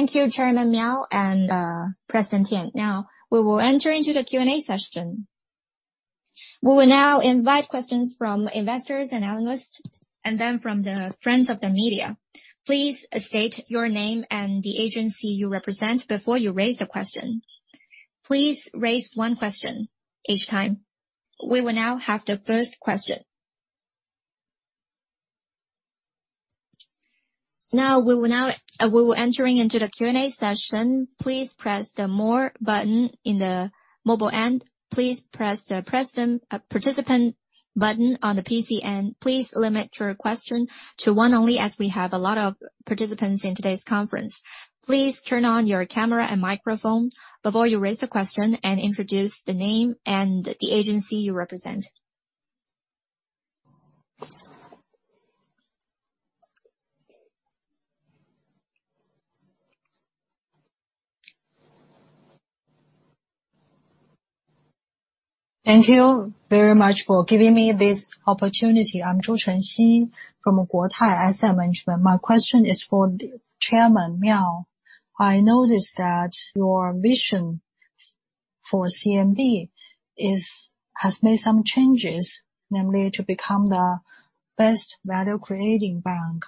Thank you Chairman Miao and President Tian. Now, we will enter into the Q&A session. We will now invite questions from investors and analysts and then from the friends of the media. Please state your name and the agency you represent before you raise the question. Please raise one question each time. We will now have the first question. We are entering into the Q&A session. Please press the More button in the mobile end. Please press the participant button on the PC end. Please limit your question to one only as we have a lot of participants in today's conference. Please turn on your camera and microphone before you raise the question and introduce the name and the agency you represent. Thank you very much for giving me this opportunity. I'm Ju Chenxi from Guotai Asset Management. My question is for the Chairman Miao. I noticed that your vision for CMB has made some changes, namely to become the best value creating bank.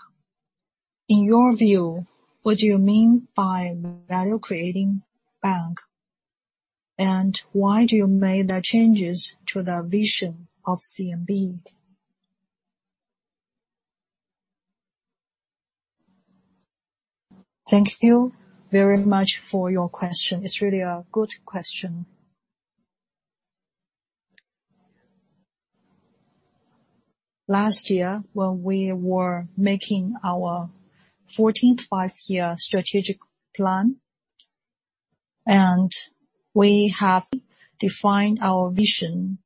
In your view, what do you mean by value creating bank? And why do you made the changes to the vision of CMB? Thank you very much for your question. It's really a good question. Last year, when we were making our 14th Five-Year strategic plan, we have defined our vision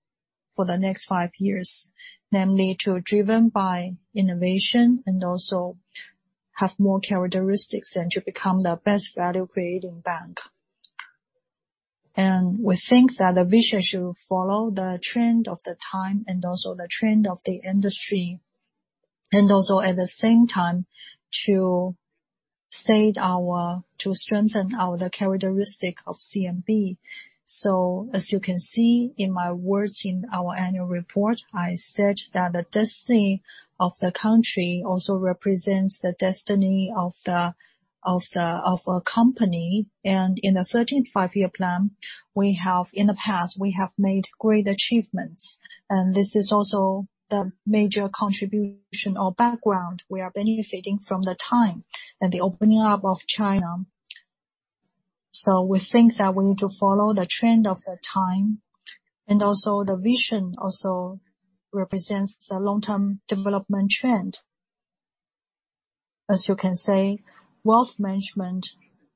for the next five years. Namely, to driven by innovation and also have more characteristics and to become the best value-creating bank. We think that the vision should follow the trend of the times and also the trend of the industry, and also at the same time to strengthen the characteristic of CMB. As you can see in my words in our annual report, I said that the destiny of the country also represents the destiny of a company. In the 13th Five-Year Plan, in the past, we have made great achievements. This is also the major contribution or background we are benefiting from the times and the opening up of China. We think that we need to follow the trend of the times and also the vision also represents the long-term development trend. As you can see, wealth management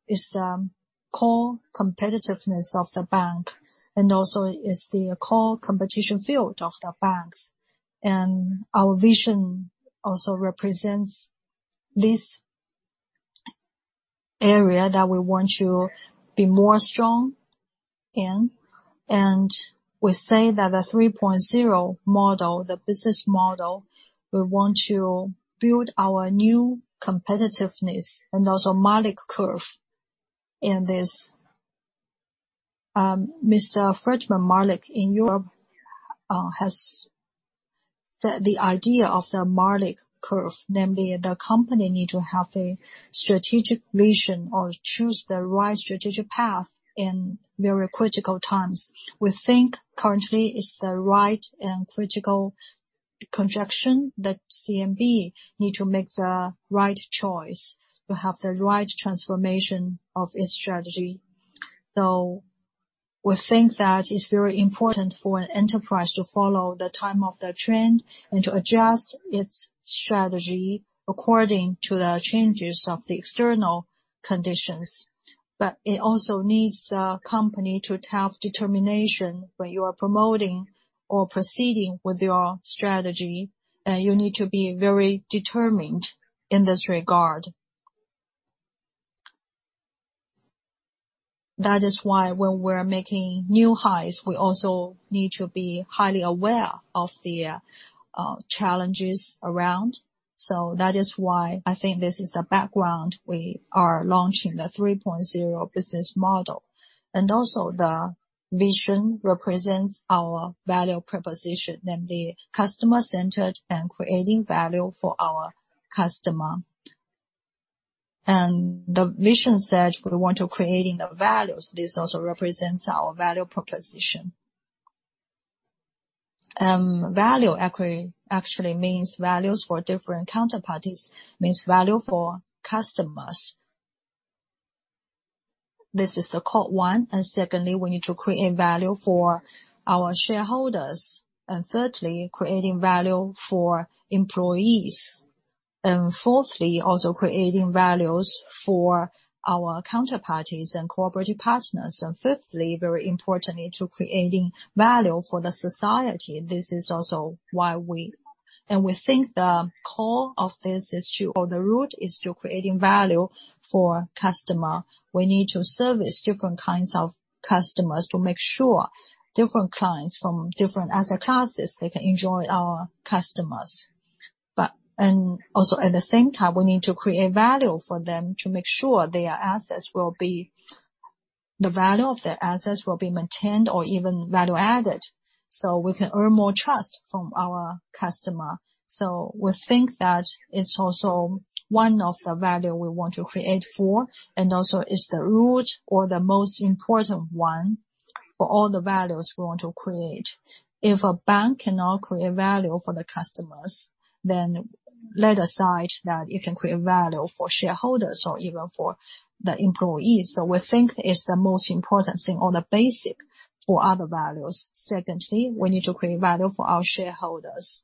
is the core competitiveness of the bank and also is the core competitive field of the banks. Our vision also represents this area that we want to be more strong in. We say that the 3.0 model, the business model, we want to build our new competitiveness and also Malik Curve in this. Mr. Fredmund Malik in Europe has the idea of the Malik Curve, namely the company need to have a strategic vision or choose the right strategic path in very critical times. We think currently it's the right and critical conjunction that CMB need to make the right choice to have the right transformation of its strategy. We think that it's very important for an enterprise to follow the tide of the trend and to adjust its strategy according to the changes of the external conditions. It also needs the company to have determination when you are promoting or proceeding with your strategy. You need to be very determined in this regard. That is why when we're making new highs, we also need to be highly aware of the challenges around. That is why I think this is the background we are launching the 3.0 business model. The vision represents our value proposition, namely customer-centered and creating value for our customer. The vision says we want to creating the values. This also represents our value proposition. Value actually means values for different counterparties, means value for customers. This is the core one. Secondly, we need to create value for our shareholders. Thirdly, creating value for employees. Fourthly, also creating values for our counterparties and cooperative partners. Fifthly, very importantly, to creating value for the society. This is also why we think the core of this is, or the root, to creating value for customer. We need to service different kinds of customers to make sure different clients from different asset classes, they can enjoy our custody. Also at the same time, we need to create value for them to make sure the value of their assets will be maintained or even value added, so we can earn more trust from our customer. We think that it's also one of the value we want to create for, and also is the root or the most important one for all the values we want to create. If a bank cannot create value for the customers, then let alone that you can create value for shareholders or even for the employees. We think it's the most important thing or the basic for other values. Secondly, we need to create value for our shareholders.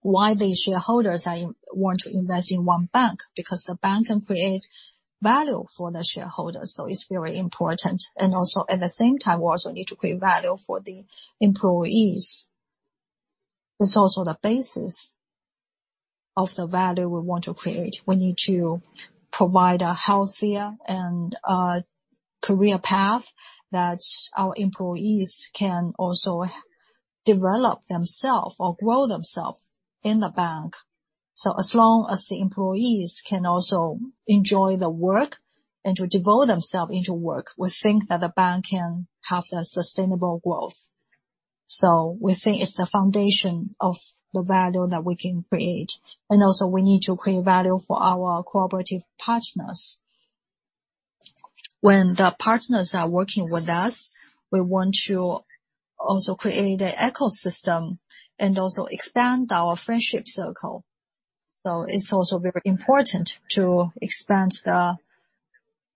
Why the shareholders want to invest in one bank? Because the bank can create value for the shareholders, so it's very important. Also, at the same time, we also need to create value for the employees. It's also the basis of the value we want to create. We need to provide a healthier and career path that our employees can also develop themselves or grow themselves in the bank. As long as the employees can also enjoy the work and to devote themselves into work, we think that the bank can have a sustainable growth. We think it's the foundation of the value that we can create. Also, we need to create value for our cooperative partners. When the partners are working with us, we want to also create an ecosystem and also expand our friendship circle. It's also very important to expand the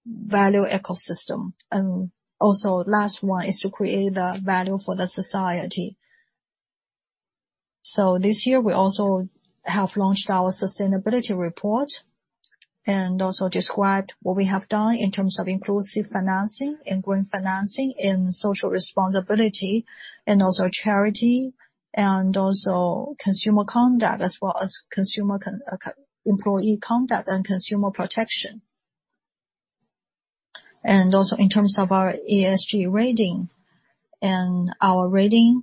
value ecosystem. Last one is to create the value for the society. This year, we also have launched our sustainability report and also described what we have done in terms of inclusive financing and green financing and social responsibility and also charity and also consumer conduct as well as employee conduct and consumer protection. In terms of our ESG rating, our rating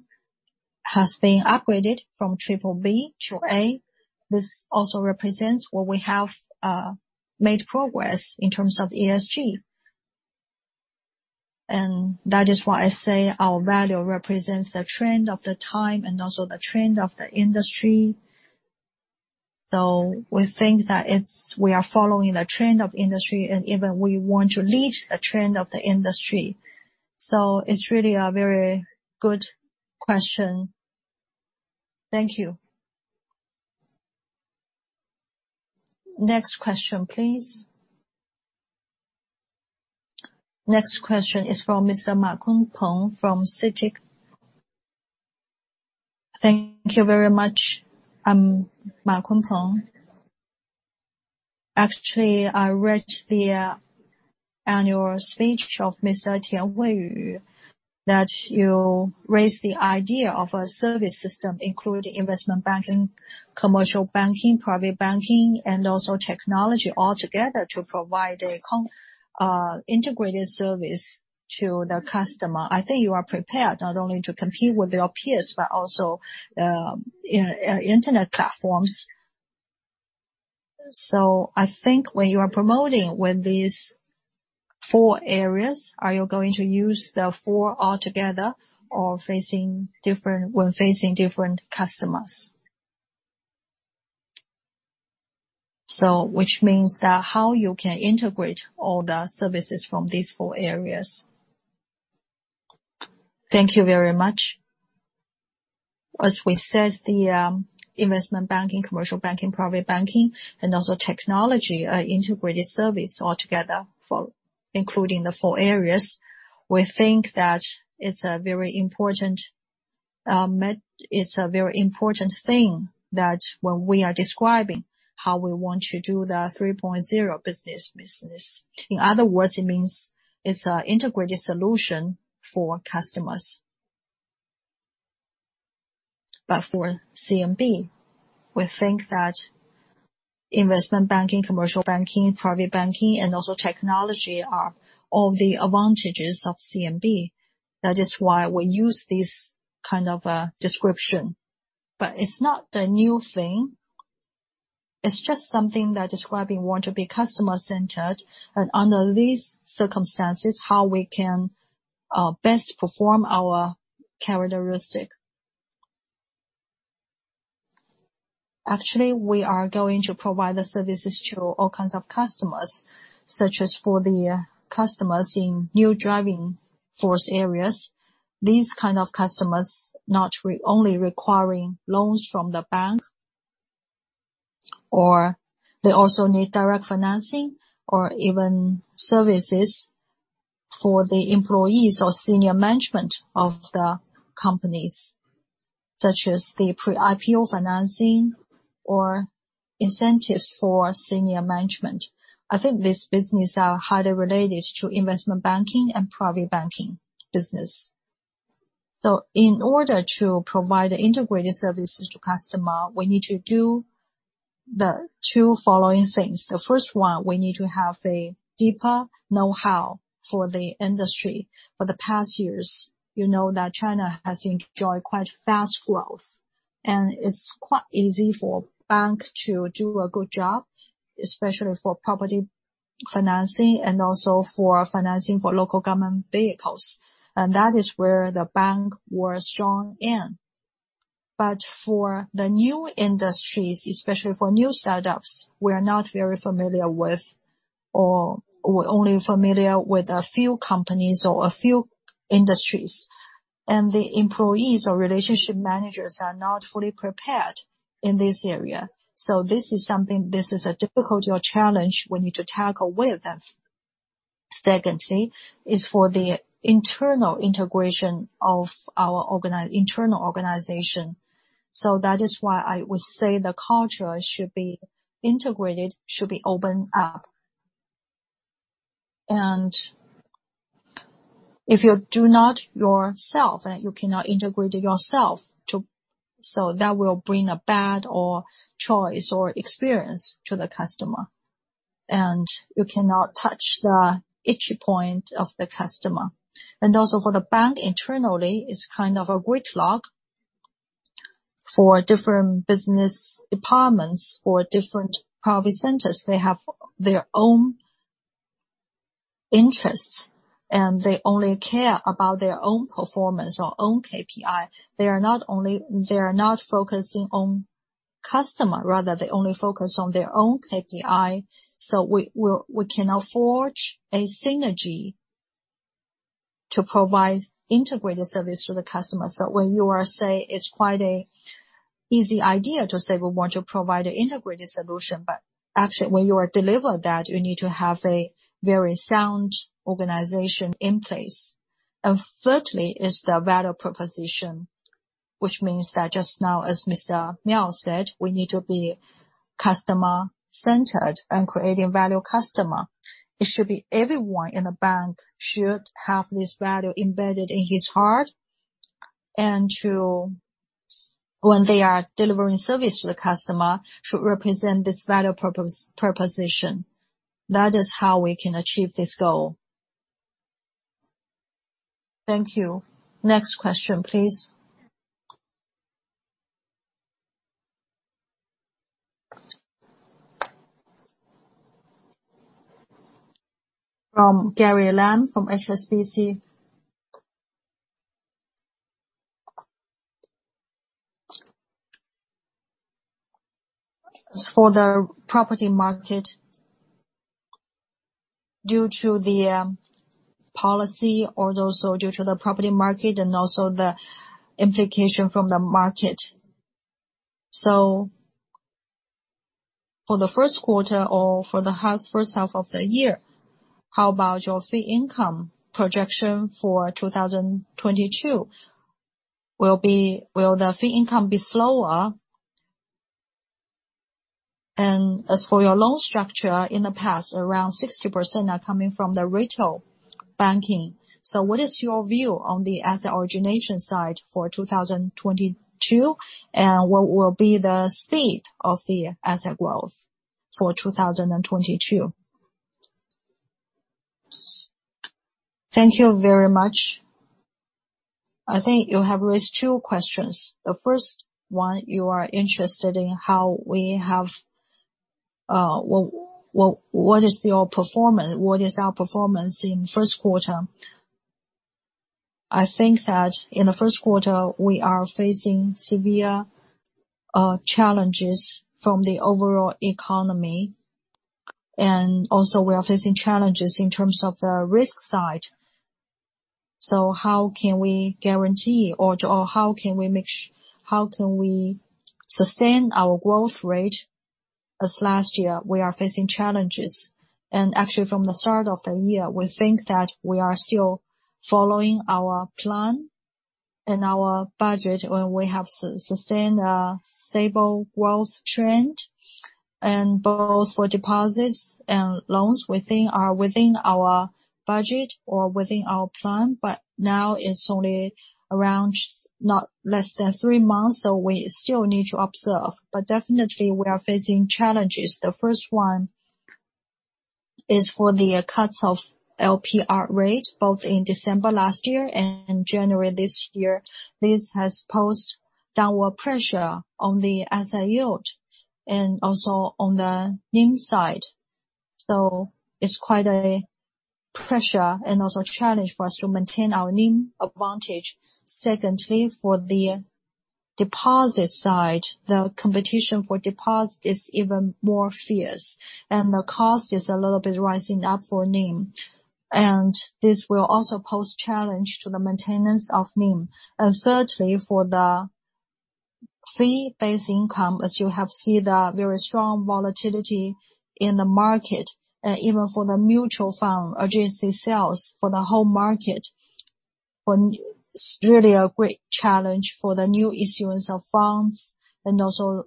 has been upgraded from BBB to A. This also represents where we have made progress in terms of ESG. That is why I say our value represents the trend of the time and also the trend of the industry. We think that we are following the trend of industry, and even we want to lead the trend of the industry. It is really a very good question. Thank you. Next question, please. Next question is from Mr. Ma Kunpeng from CITIC. Thank you very much, Ma Kunpeng. Actually, I read the annual speech of Mr. Tian Huiyu that you raised the idea of a service system, including investment banking, commercial banking, private banking, and also technology all together to provide an integrated service to the customer. I think you are prepared not only to compete with your peers, but also in internet platforms. I think when you are promoting with these four areas, are you going to use the four altogether or when facing different customers? Which means that how you can integrate all the services from these four areas? Thank you very much. As we said, investment banking, commercial banking, private banking, and also technology are integrated service all together for including the four areas. We think that it's a very important thing that when we are describing how we want to do the 3.0 business. In other words, it means it's a integrated solution for customers. For CMB, we think that investment banking, commercial banking, private banking, and also technology are all the advantages of CMB. That is why we use this kind of a description. It's not a new thing. It's just something that describing we want to be customer-centered, and under these circumstances, how we can best perform our characteristic. Actually, we are going to provide the services to all kinds of customers, such as for the customers in new driving force areas. These kinds of customers not only requiring loans from the bank, or they also need direct financing or even services for the employees or senior management of the companies, such as the pre-IPO financing or incentives for senior management. I think these businesses are highly related to investment banking and private banking business. In order to provide integrated services to customer, we need to do the two following things. The first one, we need to have a deeper know-how for the industry. For the past years, you know that China has enjoyed quite fast growth, and it's quite easy for bank to do a good job, especially for property financing and also for financing for local government vehicles. That is where the bank was strong in. For the new industries, especially for new startups, we are not very familiar with or we're only familiar with a few companies or a few industries. The employees or relationship managers are not fully prepared in this area. This is something, this is a difficulty or challenge we need to tackle with. Secondly, it is for the internal integration of our internal organization. That is why I would say the culture should be integrated, should be opened up. If you do not open up yourself, you cannot integrate it yourself. That will bring a bad customer experience to the customer, and you cannot touch the pain point of the customer. For the bank internally, it's kind of a silo for different business departments, for different profit centers. They have their own interests, and they only care about their own performance or own KPI. They are not focusing on customer, rather they only focus on their own KPI. We cannot forge a synergy to provide integrated service to the customer. When you say, it's quite an easy idea to say we want to provide an integrated solution, but actually when you deliver that, you need to have a very sound organization in place. Thirdly is the value proposition, which means that just now, as Mr. Miao said, we need to be customer-centered and creating value customer. It should be everyone in the bank should have this value embedded in his heart, when they are delivering service to the customer, should represent this value proposition. That is how we can achieve this goal. Thank you. Next question, please. From Gary Lam from HSBC. As for the property market, due to the policy or also due to the property market and also the implication from the market. For the first quarter or for the first half of the year, how about your fee income projection for 2022? Will the fee income be slower? And as for your loan structure, in the past, around 60% are coming from the retail banking. What is your view on the asset origination side for 2022? And what will be the speed of the asset growth for 2022? Thank you very much. I think you have raised two questions. The first one, you are interested in how we have what is our performance in first quarter. I think that in the first quarter, we are facing severe challenges from the overall economy. We are facing challenges in terms of the risk side. How can we guarantee or how can we sustain our growth rate? As last year, we are facing challenges. Actually from the start of the year, we think that we are still following our plan and our budget, and we have sustained a stable growth trend for both deposits and loans within our budget or within our plan. Now it's only around not less than three months, so we still need to observe. We are facing challenges. The first one is for the cuts of LPR rate, both in December last year and January this year. This has posed downward pressure on the asset yield and also on the NIM side. It's quite a pressure and also a challenge for us to maintain our NIM advantage. Secondly, for the deposit side, the competition for deposit is even more fierce, and the cost is a little bit rising up for NIM. This will also pose challenge to the maintenance of NIM. Thirdly, for the fee-based income, as you have seen the very strong volatility in the market, even for the mutual fund, agency sales for the whole market, it's really a great challenge for the new issuance of funds and also.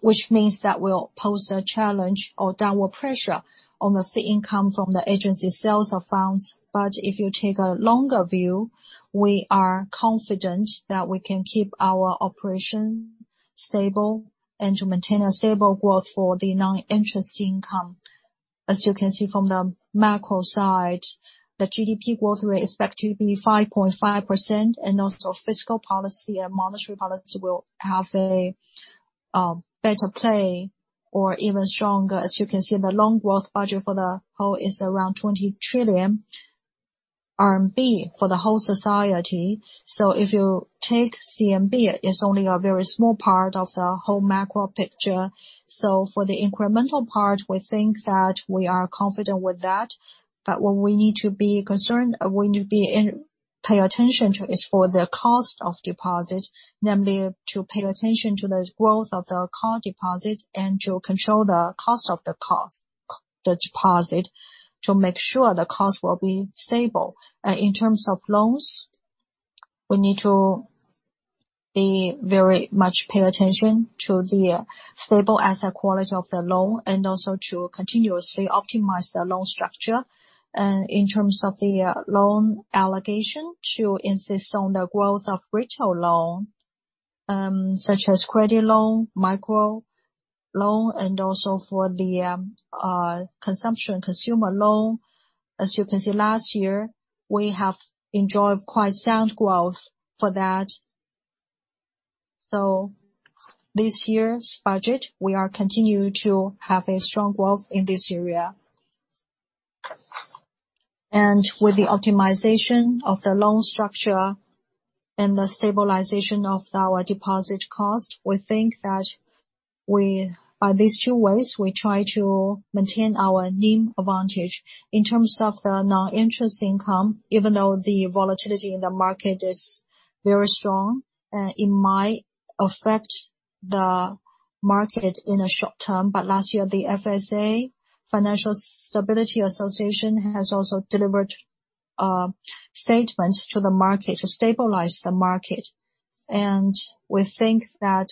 Which means that will pose a challenge or downward pressure on the fee income from the agency sales of funds. If you take a longer view, we are confident that we can keep our operation stable and to maintain a stable growth for the non-interest income. As you can see from the macro side, the GDP growth rate is expected to be 5.5% and also fiscal policy and monetary policy will have a better play or even stronger. As you can see, the long growth budget for the whole is around 20 trillion RMB for the whole society. If you take CMB, it is only a very small part of the whole macro picture. For the incremental part, we think that we are confident with that. What we need to be concerned, or we need to be in pay attention to is for the cost of deposit, namely to pay attention to the growth of the current deposit and to control the cost of the deposit, to make sure the cost will be stable. In terms of loans, we need to pay very much attention to the stable asset quality of the loan and also to continuously optimize the loan structure. In terms of the loan allocation, to insist on the growth of retail loan, such as credit loan, micro loan, and also for the consumer loan. As you can see, last year, we have enjoyed quite sound growth for that. This year's budget, we are continuing to have a strong growth in this area. With the optimization of the loan structure and the stabilization of our deposit cost, we think that we... By these two ways, we try to maintain our NIM advantage. In terms of the non-interest income, even though the volatility in the market is very strong, it might affect the market in a short term. Last year, the FSA, Financial Stability Association, has also delivered statements to the market to stabilize the market. We think that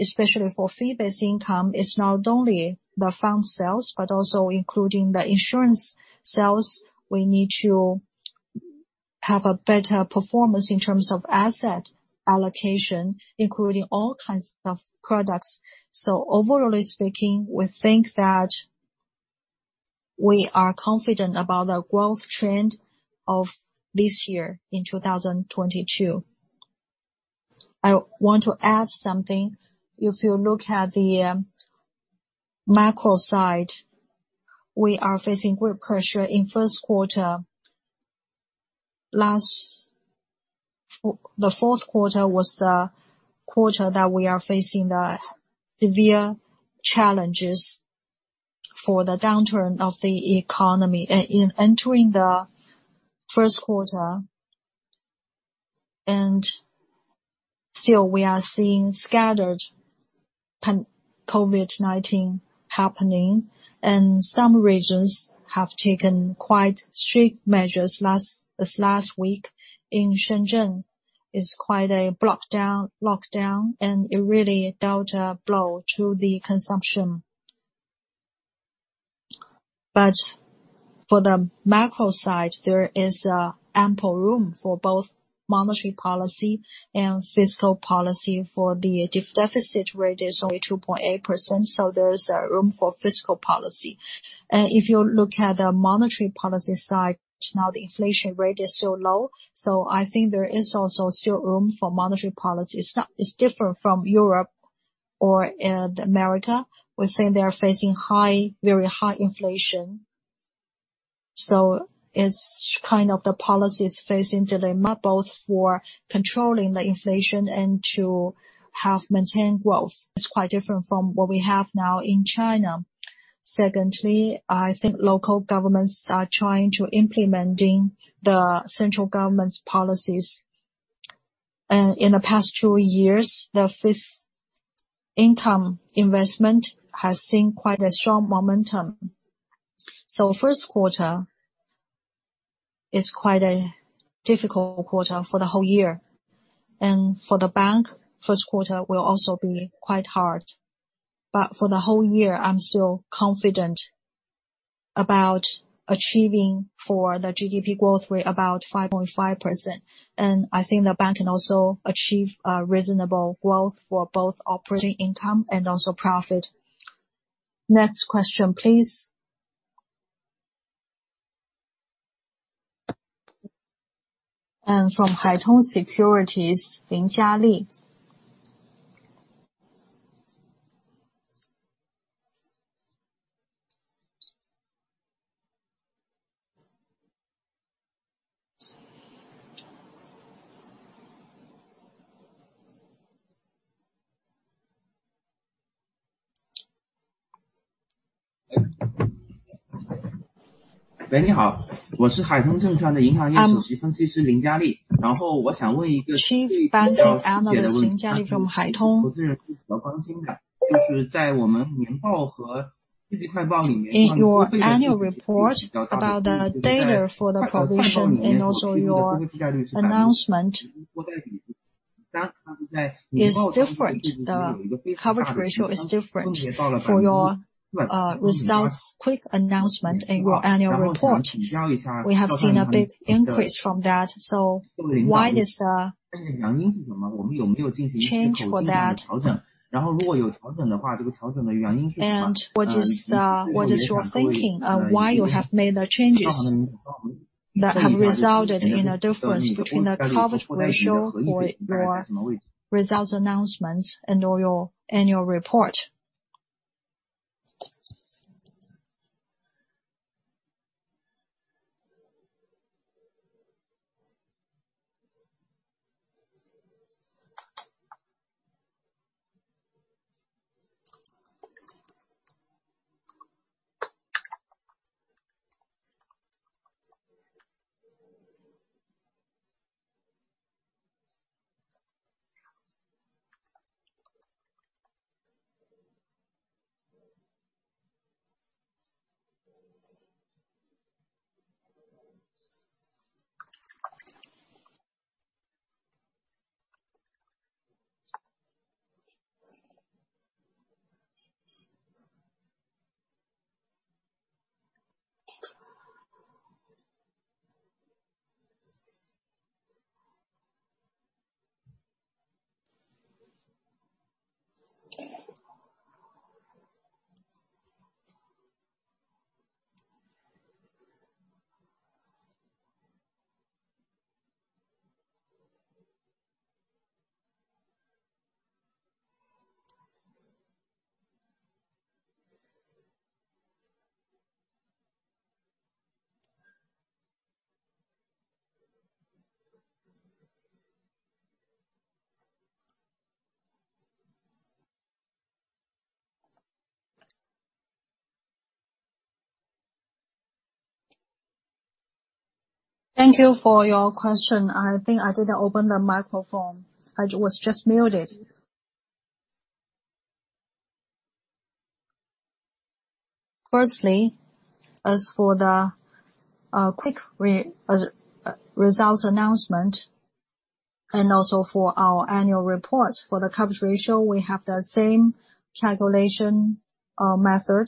especially for fee-based income, it's not only the fund sales, but also including the insurance sales. We need to have a better performance in terms of asset allocation, including all kinds of products. Overall speaking, we think that we are confident about the growth trend of this year in 2022. I want to add something. If you look at the macro side, we are facing great pressure in first quarter. The fourth quarter was the quarter that we are facing the severe challenges for the downturn of the economy in entering the first quarter. Still, we are seeing scattered COVID-19 happening, and some regions have taken quite strict measures this last week. In Shenzhen, it's quite a lockdown, and it really dealt a blow to the consumption. For the macro side, there is ample room for both monetary policy and fiscal policy, for the deficit rate is only 2.8%, so there is room for fiscal policy. If you look at the monetary policy side, now the inflation rate is so low, so I think there is also still room for monetary policy. It's different from Europe or America. We're saying they are facing high, very high inflation. It's kind of the policy is facing dilemma both for controlling the inflation and to have maintained growth. It's quite different from what we have now in China. Secondly, I think local governments are trying to implement the central government's policies. In the past two years, the fixed-income investment has seen quite a strong momentum. First quarter is quite a difficult quarter for the whole year. For the bank, first quarter will also be quite hard. For the whole year, I'm still confident about achieving for the GDP growth rate about 5.5%. I think the bank can also achieve a reasonable growth for both operating income and also profit. Next question, please. From Haitong Securities, Lin Jiali. Chief Banking Analyst Lin Jiali from Haitong. In your annual report about the data for the provision and also your announcement is different. The coverage ratio is different for your results quick announcement in your annual report. We have seen a big increase from that. Why is the change for that? And what is your thinking on why you have made the changes that have resulted in a difference between the coverage ratio for your results announcements and or your annual report. Thank you for your question. I think I didn't open the microphone. I was just muted. Firstly, as for the quick results announcement, and also for our annual report. For the coverage ratio, we have the same calculation method.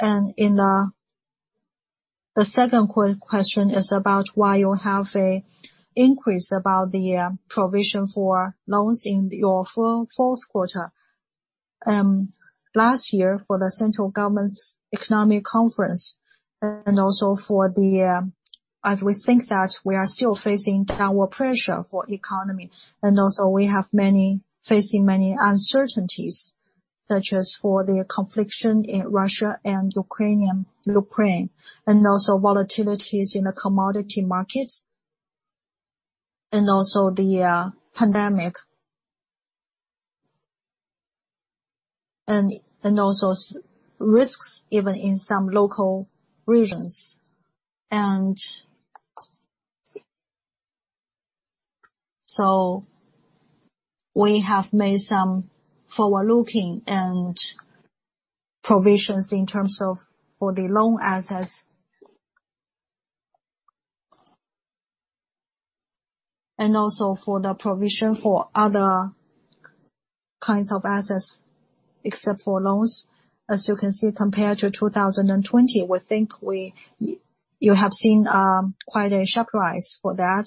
And in the second question is about why you have an increase about the provision for loans in your fourth quarter. Last year for the central government's economic conference, and also for the. We think that we are still facing downward pressure for economy, and also we have facing many uncertainties, such as for the conflict in Russia and Ukraine, and also volatilities in the commodity markets, and also the pandemic. And also systemic risks, even in some local regions. We have made some forward-looking provisions in terms of for the loan assets. And also for the provision for other kinds of assets, except for loans. As you can see, compared to 2020, we think you have seen quite a sharp rise for that.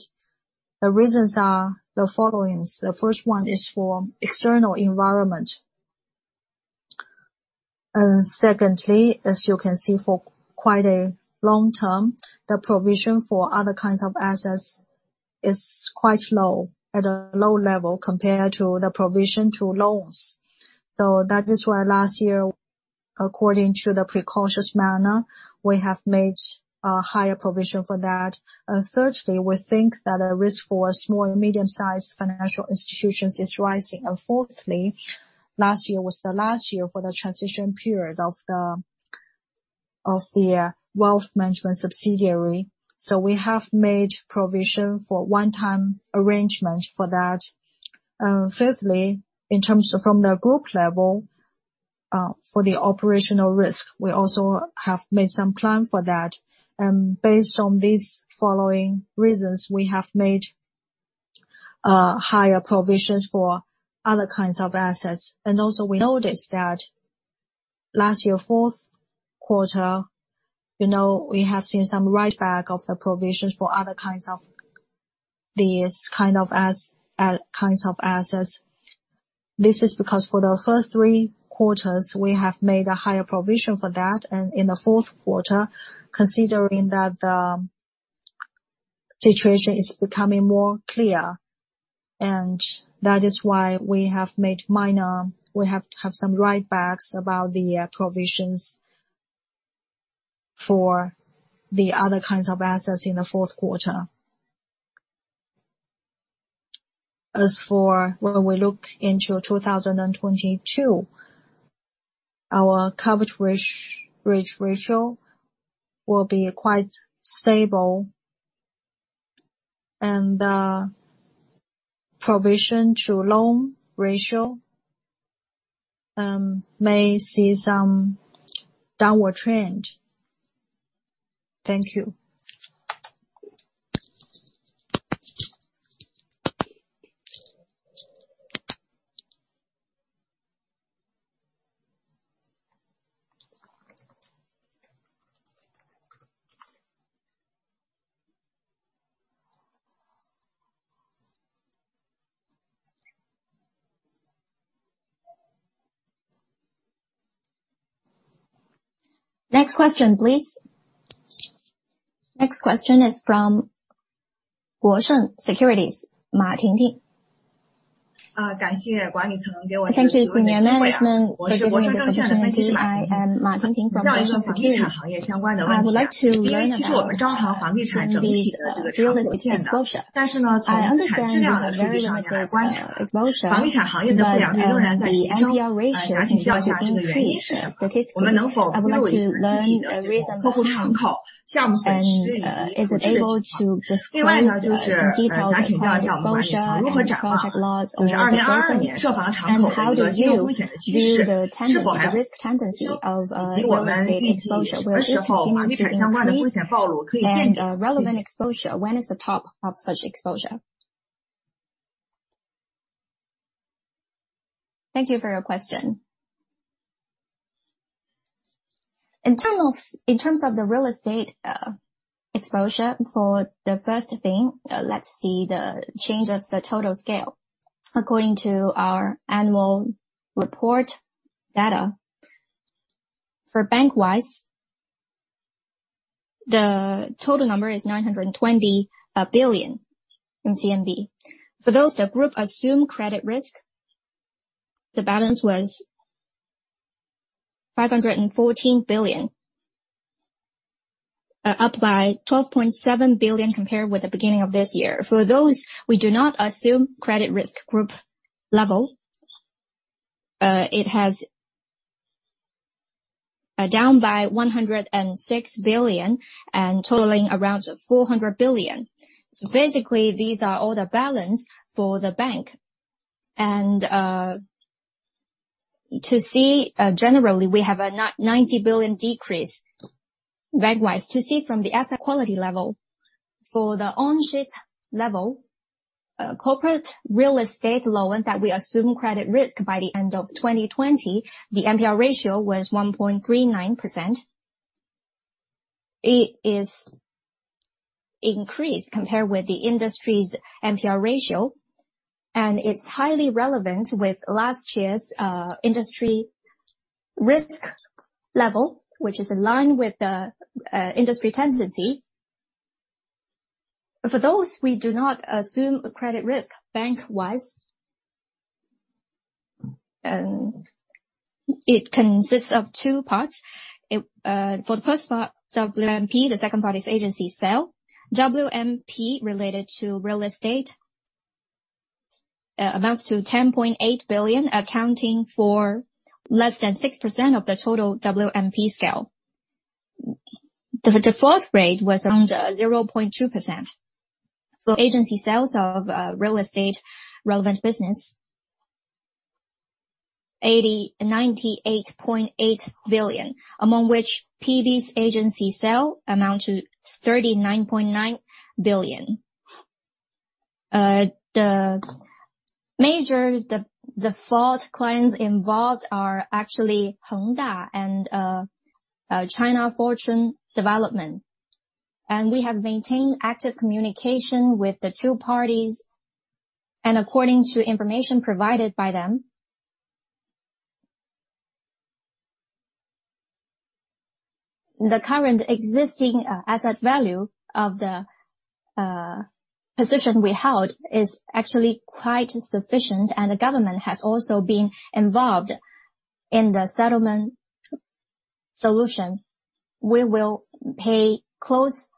The reasons are the following. The first one is for external environment. Secondly, as you can see, for quite a long term, the provision for other kinds of assets is quite low, at a low level compared to the provision to loans. That is why last year, according to the precautionary manner, we have made a higher provision for that. Thirdly, we think that a risk for small and medium-sized financial institutions is rising. Fourthly, last year was the last year for the transition period of the wealth management subsidiary. We have made provision for one-time arrangement for that. Fifthly, in terms of from the group level, for the operational risk, we also have made some plan for that. Based on these following reasons, we have made higher provisions for other kinds of assets. We also noticed that last year, fourth quarter, we have seen some writeback of the provisions for other kinds of assets. This is because for the first three quarters, we have made a higher provision for that. In the fourth quarter, considering that the situation is becoming more clear, and that is why we have some writebacks about the provisions for the other kinds of assets in the fourth quarter. As for when we look into 2022, our coverage ratio will be quite stable. Provision to loan ratio may see some downward trend. Thank you. Next question, please. Next question is from Guosheng Securities, Ma Tingting. Thank you Senior Management for giving me the opportunity. I am Ma Tingting from Guosheng Securities. I would like to learn about company's real estate exposure. I understand the real estate exposure, but the NPL ratio keeping increase. I would like to learn the reason behind. Is it able to describe to me some details about exposure and the project loans on the exposure? How do you view the risk tendency of real estate exposure? Will it continue to increase? Relevant exposure, when is the top of such exposure? Thank you for your question. In terms of the real estate exposure for the first thing, let's see the change of the total scale. According to our annual report data, for bank-wise, the total number is 920 billion in CMB. For those the group assume credit risk, the balance was 514 billion, up by 12.7 billion compared with the beginning of this year. For those we do not assume credit risk group level, it has down by 106 billion and totaling around 400 billion. Basically, these are all the balance for the bank. To see generally, we have a ninety billion decrease bank-wise. To see from the asset quality level, for the on-balance sheet level, corporate real estate loan that we assume credit risk by the end of 2020, the NPL ratio was 1.39%. It is increased compared with the industry's NPL ratio, and it's highly relevant with last year's industry risk level, which is in line with the industry tendency. For those we do not assume a credit risk bank-wise, it consists of two parts. For the first part, WMP, the second part's agency sale. WMP related to real estate amounts to 10.8 billion, accounting for less than 6% of the total WMP scale. The default rate was around 0.2%. For agency sales of real estate relevant business, 98.8 billion, among which PB's agency sale amounts to 39.9 billion. The major default clients involved are actually China Evergrande Group and China Fortune Land Development. We have maintained active communication with the two parties. According to information provided by them, the current existing asset value of the position we held is actually quite sufficient, and the government has also been involved in the settlement solution. We will pay close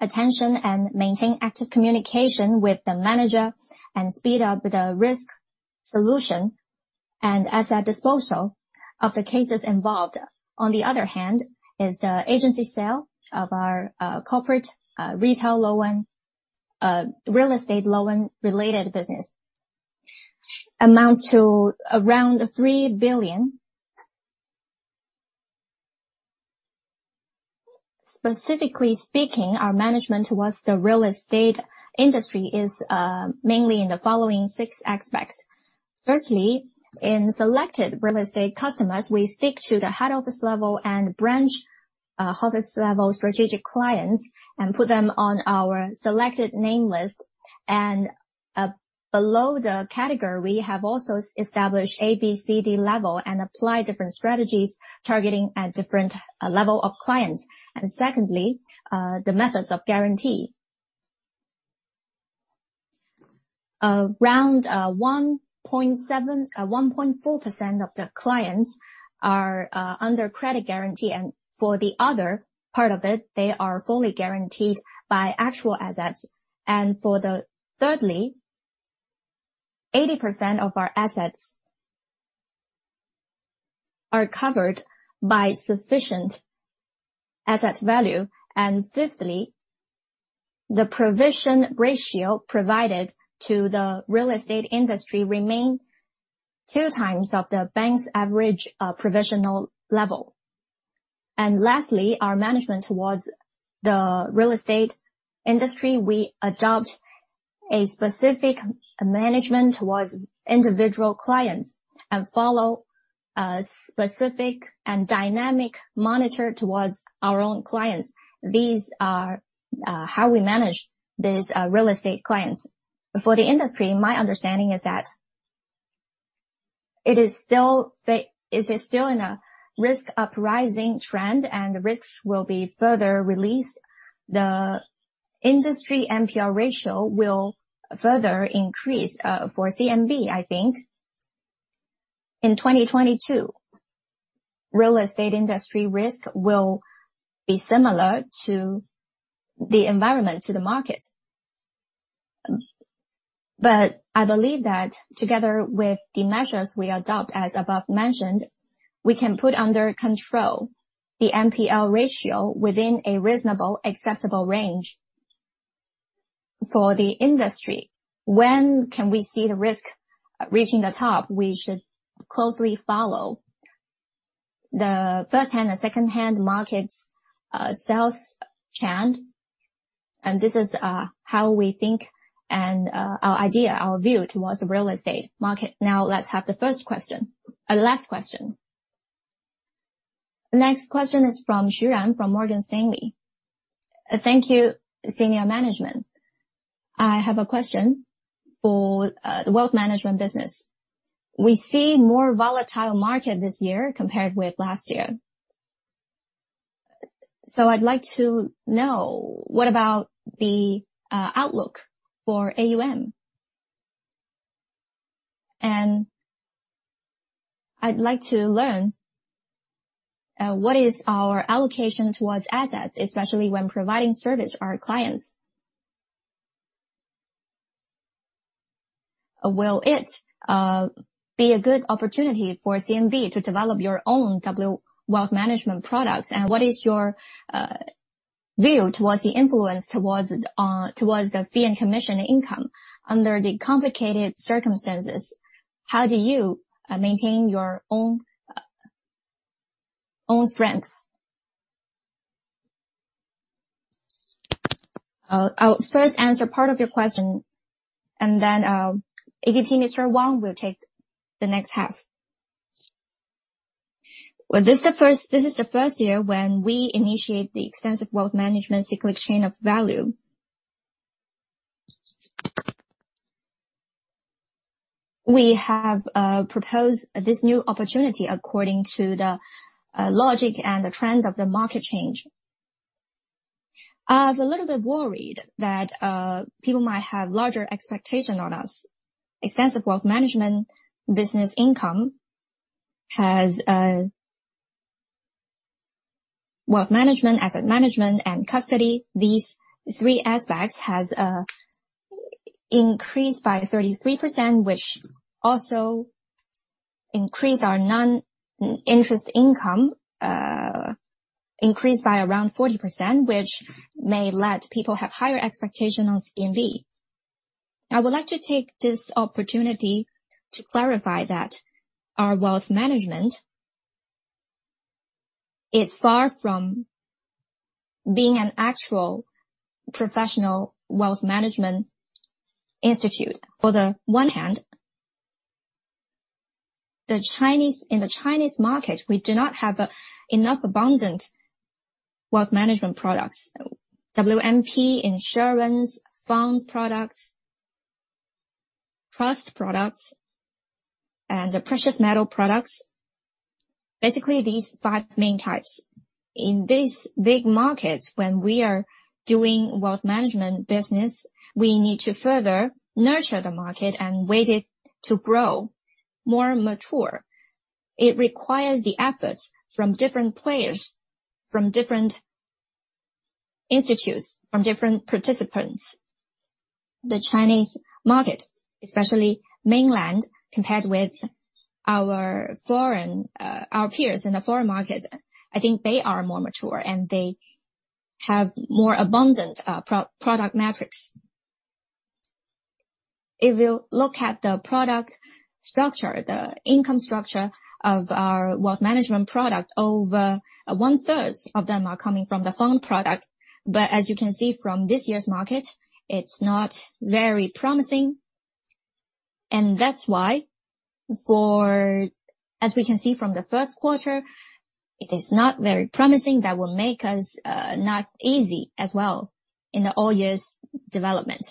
attention and maintain active communication with the manager and speed up the risk solution and asset disposal of the cases involved. On the other hand, the agency sale of our corporate retail loan real estate loan related business amounts to around CNY 3 billion. Specifically speaking, our management towards the real estate industry is mainly in the following six aspects. Firstly, in selected real estate customers, we stick to the head office level and branch office level strategic clients and put them on our selected name list. Below the category, we have also established A, B, C, D level and apply different strategies targeting at different level of clients. Secondly, the methods of guarantee. Around 1.4% of the clients are under credit guarantee. For the other part of it, they are fully guaranteed by actual assets. Thirdly, 80% of our assets are covered by sufficient asset value. Fifthly, the provision ratio provided to the real estate industry remain two times of the bank's average provisional level. Lastly, our management towards the real estate industry, we adopt a specific management towards individual clients and follow a specific and dynamic monitor towards our own clients. These are how we manage these real estate clients. For the industry, my understanding is that it is still in a risk rising trend, and the risks will be further released. The industry NPL ratio will further increase for CMB, I think. In 2022, real estate industry risk will be similar to the environment, to the market. I believe that together with the measures we adopt, as above mentioned, we can put under control the NPL ratio within a reasonable, acceptable range for the industry. When can we see the risk reaching the top? We should closely follow the firsthand and secondhand markets, sales trend. This is how we think and our idea, our view towards the real estate market. Now, let's have the first question. Last question. The next question is from Ran Xu, from Morgan Stanley. Thank you, Senior Management. I have a question for the Wealth Management business. We see more volatile market this year compared with last year. So, I'd like to know what about the outlook for AUM. And I'd like to learn what is our allocation towards assets, especially when providing service to our clients. Will it be a good opportunity for CMB to develop your own wealth management products? And what is your view towards the influence towards the fee and commission income under the complicated circumstances? How do you maintain your own strengths? I'll first answer part of your question and then, Liang Wang, will take the next half. Well, this is the first year when we initiate the extensive wealth management cyclic chain of value. We have proposed this new opportunity according to the logic and the trend of the market change. I was a little bit worried that people might have larger expectation on us. Wealth management, asset management, and custody, these three aspects has increased by 33%, which also increase our non-interest income, increased by around 40%, which may let people have higher expectation on CMB. I would like to take this opportunity to clarify that our Wealth Management is far from being an actual professional wealth management institute. On the one hand, in the Chinese market, we do not have enough abundant Wealth Management Products. WMP, insurance, funds products, trust products, and the precious metal products. Basically, these five main types. In these big markets, when we are doing Wealth Management business, we need to further nurture the market and wait for it to grow more mature. It requires the efforts from different players, from different institutes, from different participants. The Chinese market, especially mainland, compared with our foreign peers in the foreign market, I think they are more mature, and they have more abundant product mix. If you look at the product structure, the income structure of our Wealth Management Product, over one-third of them are coming from the fund product. But as you can see from this year's market, it's not very promising. As we can see from the first quarter, it is not very promising. That will make us not easy as well in all year's development.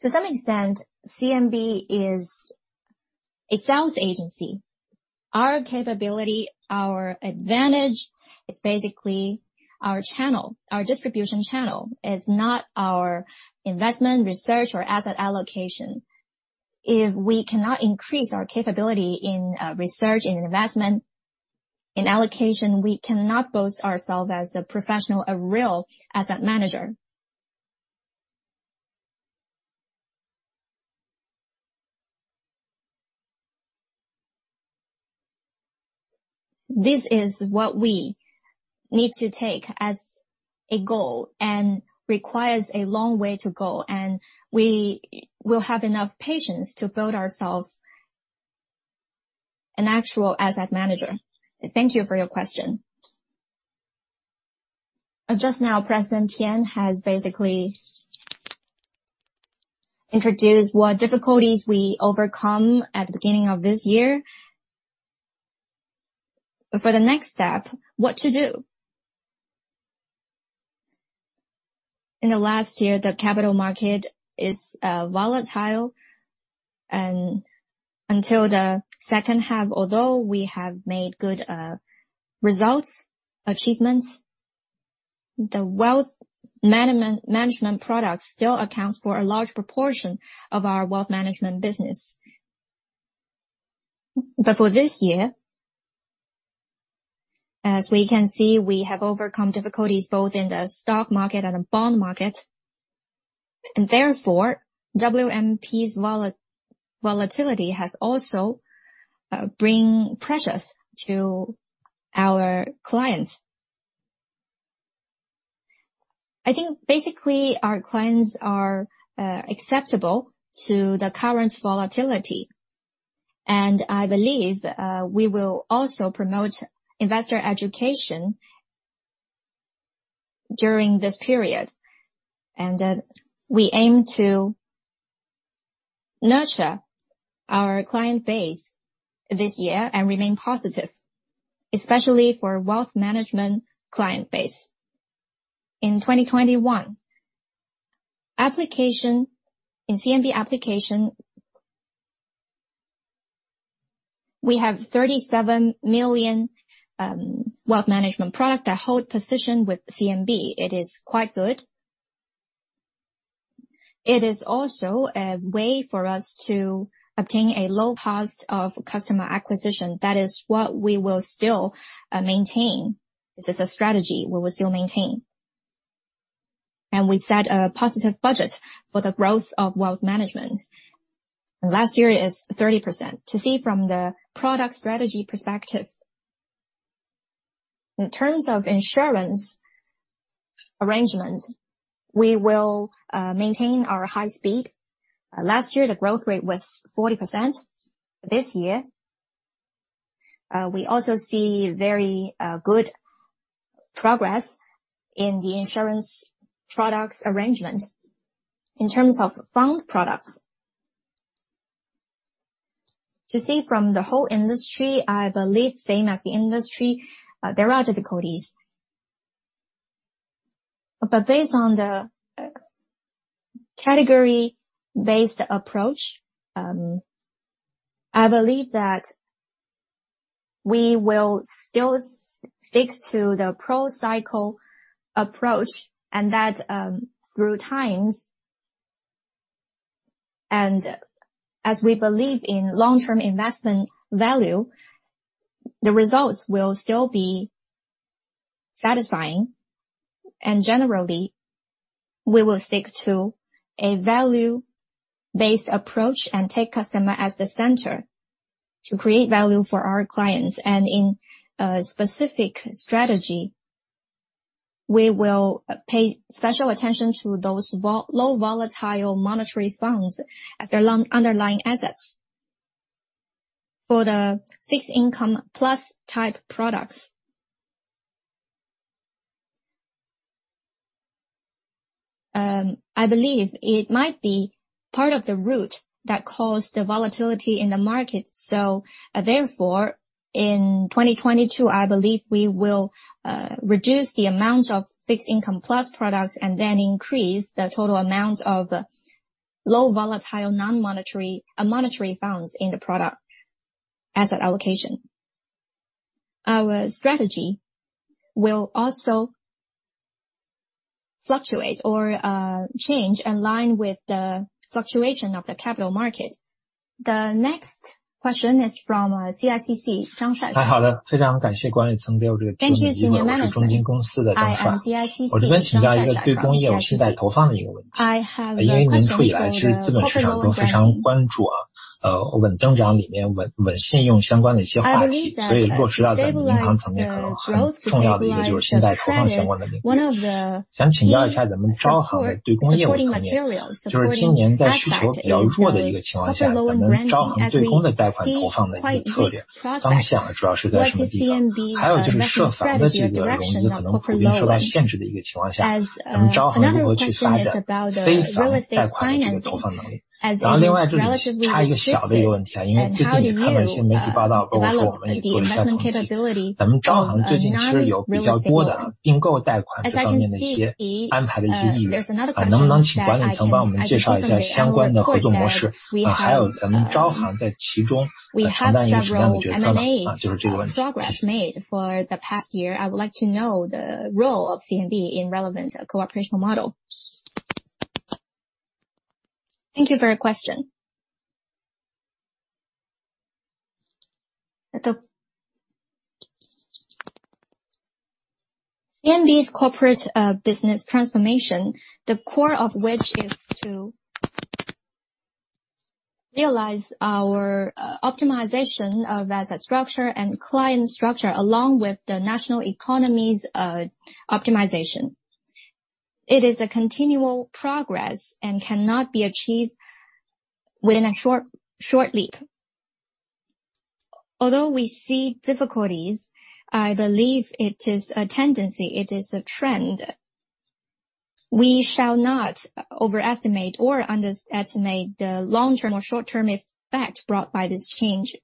To some extent, CMB is a sales agency. Our capability, our advantage, it's basically our channel. Our distribution channel is not our investment research or asset allocation. If we cannot increase our capability in research and investment, in allocation, we cannot boast ourselves as a professional, a real asset manager. This is what we need to take as a goal and requires a long way to go, and we will have enough patience to build ourselves an actual asset manager. Thank you for your question. Just now, President Tian has basically introduced what difficulties we overcome at the beginning of this year. For the next step, what to do? In the last year, the capital market is volatile. Until the second half, although we have made good results, achievements, the wealth management product still accounts for a large proportion of our wealth management business. For this year, as we can see, we have overcome difficulties both in the stock market and the bond market, and therefore WMP's volatility has also brought pressures to our clients. I think basically our clients are acceptable to the current volatility. I believe we will also promote investor education during this period, and that we aim to nurture our client base this year and remain positive, especially for wealth management client base. In 2021 CMB application, we have 37 million Wealth Management Product that hold position with CMB. It is quite good. It is also a way for us to obtain a low cost of customer acquisition. That is what we will still maintain. This is a strategy we will still maintain. We set a positive budget for the growth of wealth management. Last year is 30%. From the product strategy perspective. In terms of insurance arrangement, we will maintain our high speed. Last year, the growth rate was 40%. This year, we also see very good progress in the insurance products arrangement. In terms of fund products, from the whole industry, I believe same as the industry, there are difficulties. Based on the category-based approach, I believe that we will still stick to the pro-cycle approach and that, through times, and as we believe in long-term investment value, the results will still be satisfying. Generally, we will stick to a value-based approach and take customer as the center to create value for our clients. In a specific strategy, we will pay special attention to those low volatile monetary funds as their long underlying assets. For the fixed income plus type products, I believe it might be part of the root that caused the volatility in the market. Therefore, in 2022, I believe we will reduce the amount of fixed income plus products and then increase the total amount of low volatile monetary funds in the product asset allocation. Our strategy will also change align with the fluctuation of the capital market. The next question is from CICC, Shuaishuai Zhang. Thank you, Senior Management. I am CICC, Shuaishuai Zhang calling. I have a personal loan question. I believe that since the beginning of the year, in fact, the capital market has been paying close attention to some topics related to stable growth and stable credit. Thank you for your question. CMB's corporate business transformation, the core of which is to realize our optimization of asset structure and client structure, along with the national economy's optimization. It is a continual process and cannot be achieved within a short leap. Although we see difficulties, I believe it is a tendency, it is a trend. We shall not overestimate or underestimate the long-term or short-term effect brought by this change.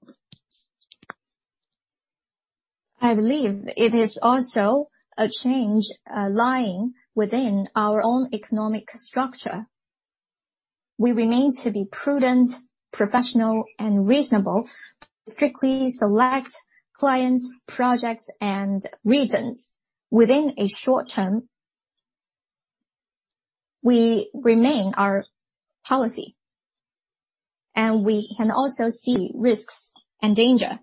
I believe it is also a change lying within our own economic structure. We remain to be prudent, professional and reasonable. Strictly select clients, projects and regions within a short term. We remain our policy, and we can also see risks and dangers,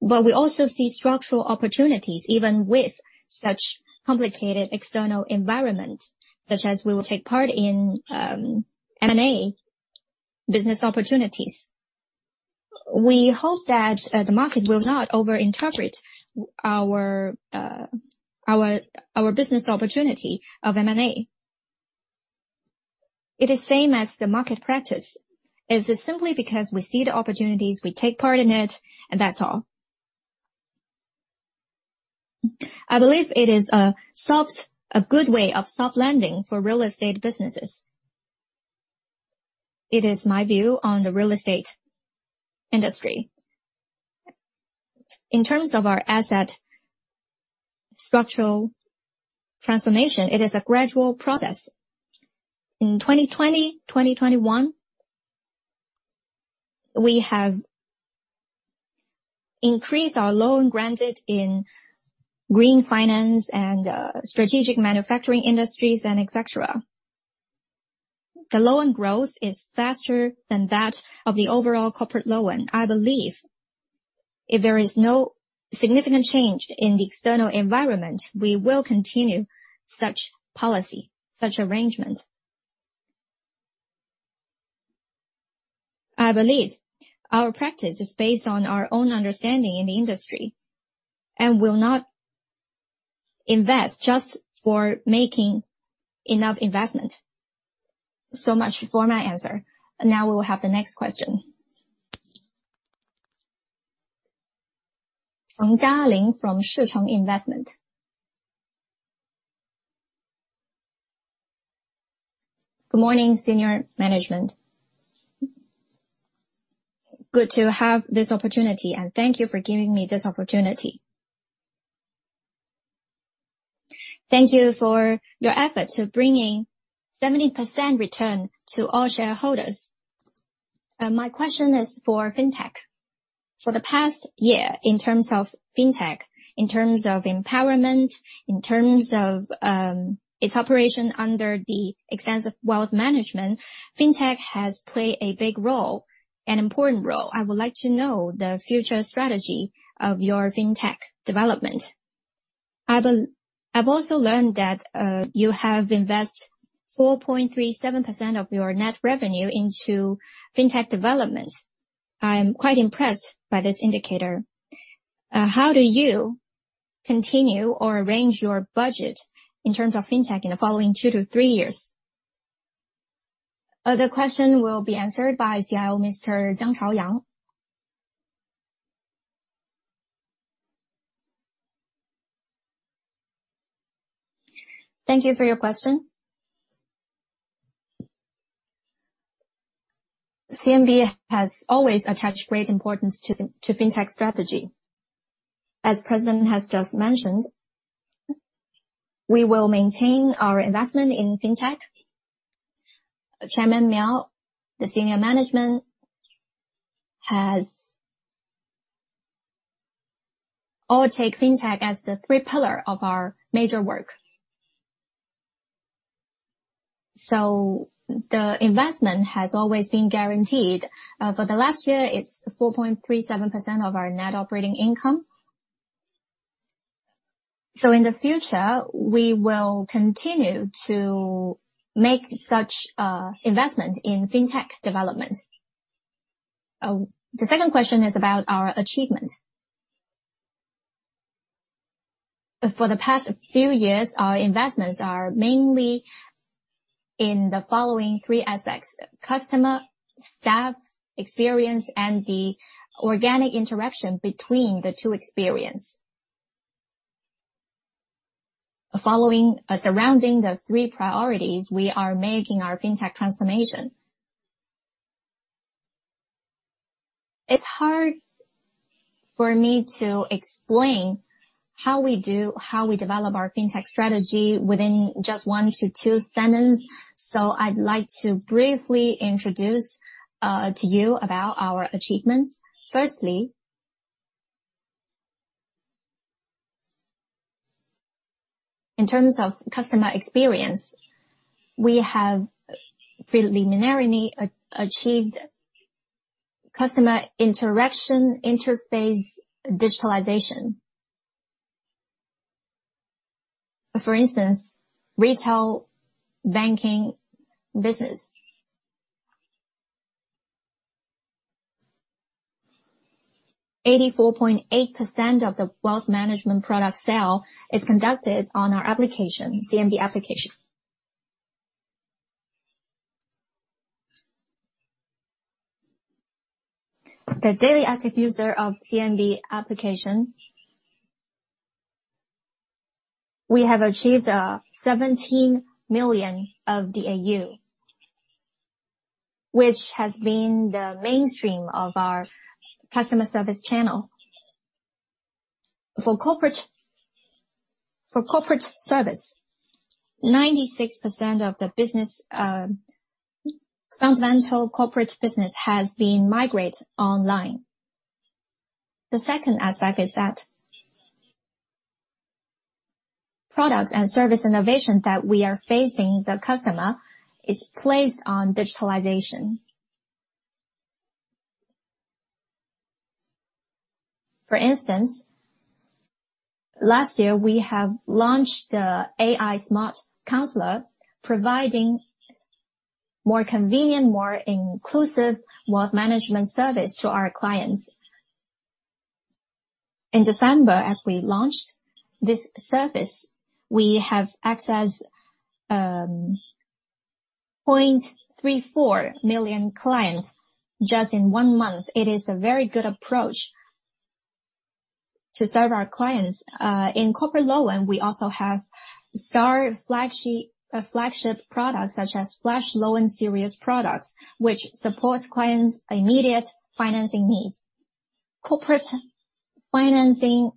but we also see structural opportunities even with such complicated external environment, such as we will take part in M&A business opportunities. We hope that the market will not overinterpret our business opportunity of M&A. It is the same as the market practice. It is simply because we see the opportunities, we take part in it, and that's all. I believe it is a good way of soft landing for real estate businesses. It is my view on the real estate industry. In terms of our asset structural transformation, it is a gradual process. In 2020, 2021, we have increased our loan granted in green finance and strategic manufacturing industries and et cetera. The loan growth is faster than that of the overall corporate loan. I believe if there is no significant change in the external environment, we will continue such policy, such arrangement. I believe our practice is based on our own understanding in the industry, and will not invest just for making enough investment. So much for my answer. Now we will have the next question. Peng Jialin from Sichuan Investment. Good morning, Senior Management. Good to have this opportunity, and thank you for giving me this opportunity. Thank you for your effort to bringing 70% return to all shareholders. My question is for fintech. For the past year, in terms of fintech, in terms of empowerment, in terms of its operation under the extensive wealth management, fintech has played a big role, an important role. I would like to know the future strategy of your fintech development. I've also learned that you have invested 4.37% of your net revenue into fintech development. I'm quite impressed by this indicator. How do you continue or arrange your budget in terms of fintech in the following two to three years? The question will be answered by CIO, Mr. Jiang Chaoyang. Thank you for your question. CMB has always attached great importance to fintech strategy. As President has just mentioned, we will maintain our investment in fintech. Chairman Miao, the Senior Management has all taken fintech as the third pillar of our major work. So the investment has always been guaranteed. For the last year, it's 4.37% of our net operating income. So in the future, we will continue to make such investment in fintech development. The second question is about our achievement. For the past few years, our investments are mainly in the following three aspects: customer, staff experience, and the organic interaction between the two experience. Surrounding the three priorities, we are making our fintech transformation. It's hard for me to explain how we develop our fintech strategy within just one to two sentence. I'd like to briefly introduce to you about our achievements. Firstly, in terms of customer experience, we have preliminarily achieved customer interaction interface digitalization. For instance, retail banking business. 84.8% of the wealth management product sale is conducted on our application, CMB application. The daily active user of CMB application. We have achieved 17 million of DAU, which has been the mainstream of our customer service channel. For corporate service, 96% of the business, fundamental corporate business has been migrated online. The second aspect is that products and service innovation that we are facing the customer is placed on digitalization. For instance, last year, we have launched the AI Smart Counselor, providing more convenient, more inclusive wealth management service to our clients. In December, as we launched this service, we have accessed 0.34 million clients just in one month. It is a very good approach to serve our clients. In corporate loan, we also have our flagship products such as Flash Loan series products, which supports clients' immediate financing needs. Corporate financing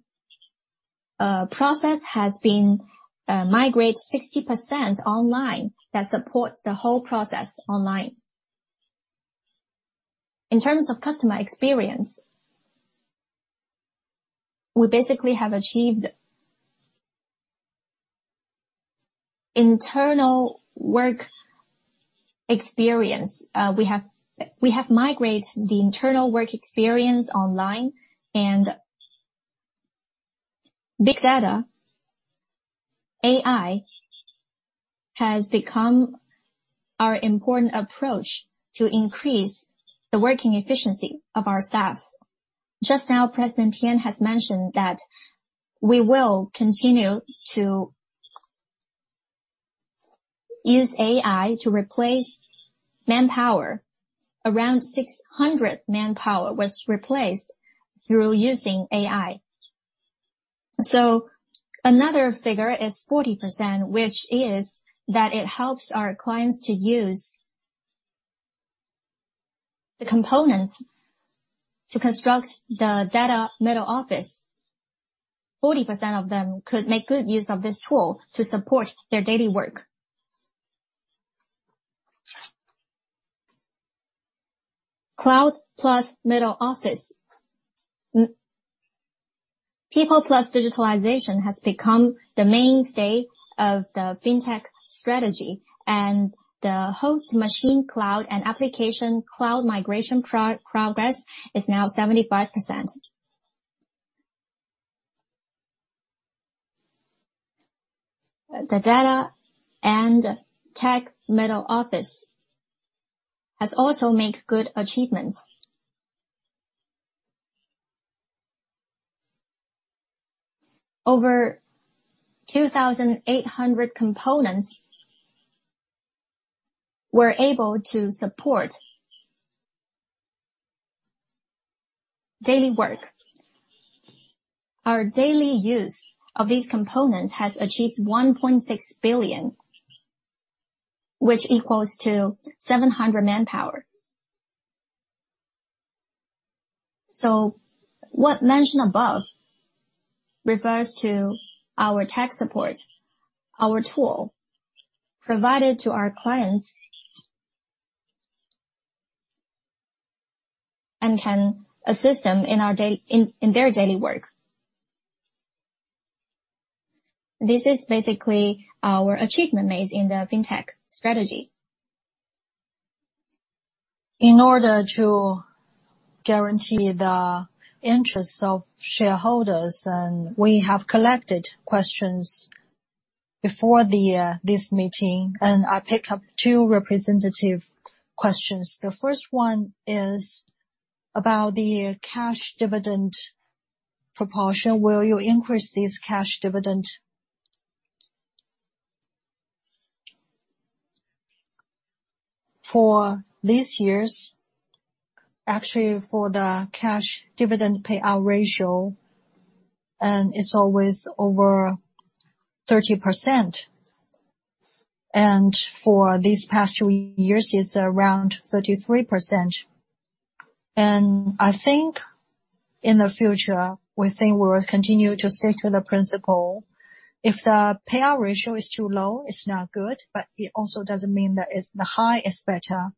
process has been migrated 60% online that supports the whole process online. In terms of customer experience, we basically have achieved internal work experience. We have migrated the internal work experience online and big data. AI has become our important approach to increase the working efficiency of our staff. Just now, President Tian has mentioned that we will continue to use AI to replace manpower. Around 600 manpower was replaced through using AI. Another figure is 40%, which is that it helps our clients to use the components to construct the data middle office. 40% of them could make good use of this tool to support their daily work. Cloud + middle office, People + Digitalization has become the mainstay of the Fintech strategy, and the host machine cloud and application cloud migration progress is now 75%. The data and tech middle office has also make good achievements. Over 2,800 components were able to support daily work. Our daily use of these components has achieved 1.6 billion, which equals to 700 manpower. What mentioned above refers to our tech support, our tool provided to our clients and can assist them in their daily work. This is basically our achievement made in the Fintech strategy. In order to guarantee the interests of shareholders, we have collected questions before this meeting, and I picked up two representative questions. The first one is about the cash dividend proportion. Will you increase this cash dividend? For these years, actually, for the cash dividend payout ratio, it's always over 30%. For these past two years, it's around 33%. I think in the future, we think we'll continue to stick to the principle. If the payout ratio is too low, it's not good, but it also doesn't mean that the high is better.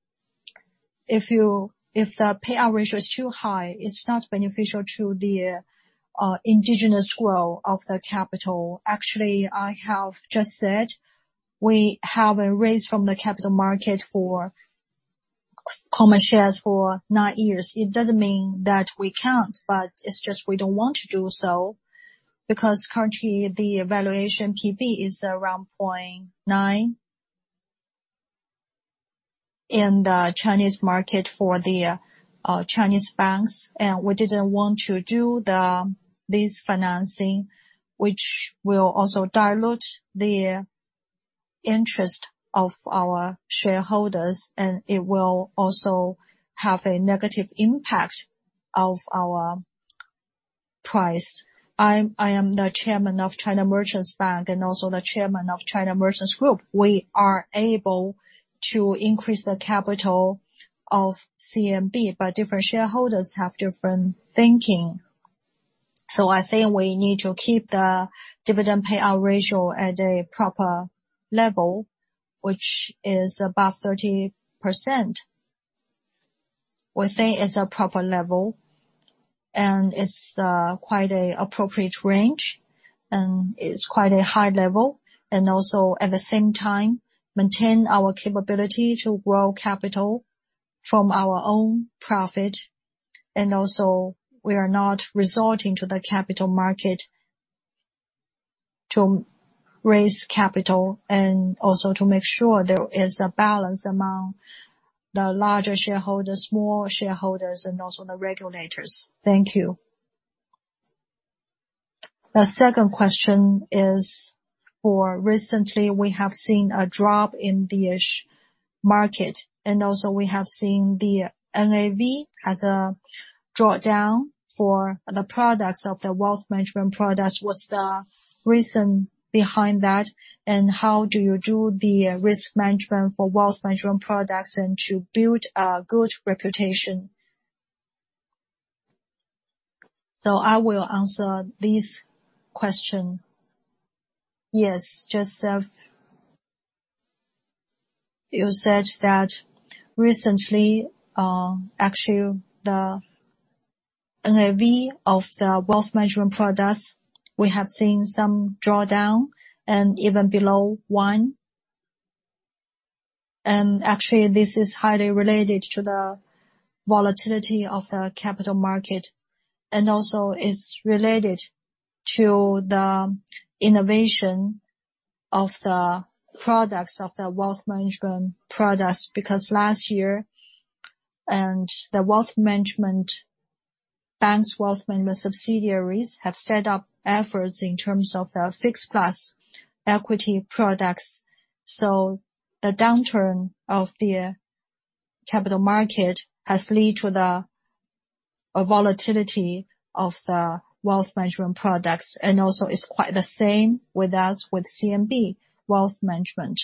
If the payout ratio is too high, it's not beneficial to the endogenous growth of the capital. Actually, I have just said we haven't raised from the capital market for common shares for nine years. It doesn't mean that we can't, but it's just we don't want to do so, because currently the valuation PB is around 0.9 in the Chinese market for the Chinese banks. We didn't want to do this financing, which will also dilute the interest of our shareholders, and it will also have a negative impact of our price. I am the Chairman of China Merchants Bank, and also the Chairman of China Merchants Group. We are able to increase the capital of CMB, but different shareholders have different thinking. I think we need to keep the dividend payout ratio at a proper level, which is above 30%. We think it's a proper level, and it's quite an appropriate range, and it's quite a high level. Also, at the same time, maintain our capability to grow capital from our own profit. We are not resorting to the capital market to raise capital. Also to make sure there is a balance among the larger shareholders, small shareholders, and also the regulators. Thank you. The second question is for recently, we have seen a drop in the H-share market, and also, we have seen the NAV has a drawdown for the products of the wealth management products. What's the reason behind that? And how do you do the risk management for Wealth Management Products and to build a good reputation? I will answer this question. Yes, just you said that recently, actually, the NAV of the wealth management products, we have seen some drawdown and even below one. Actually, this is highly related to the volatility of the capital market. Also it's related to the innovation of the products of the wealth management products, because last year, the wealth management bank's wealth management subsidiaries have sped up efforts in terms of our fixed plus equity products. The downturn of the capital market has led to a volatility of the wealth management products, and also is quite the same with us with CMB Wealth Management.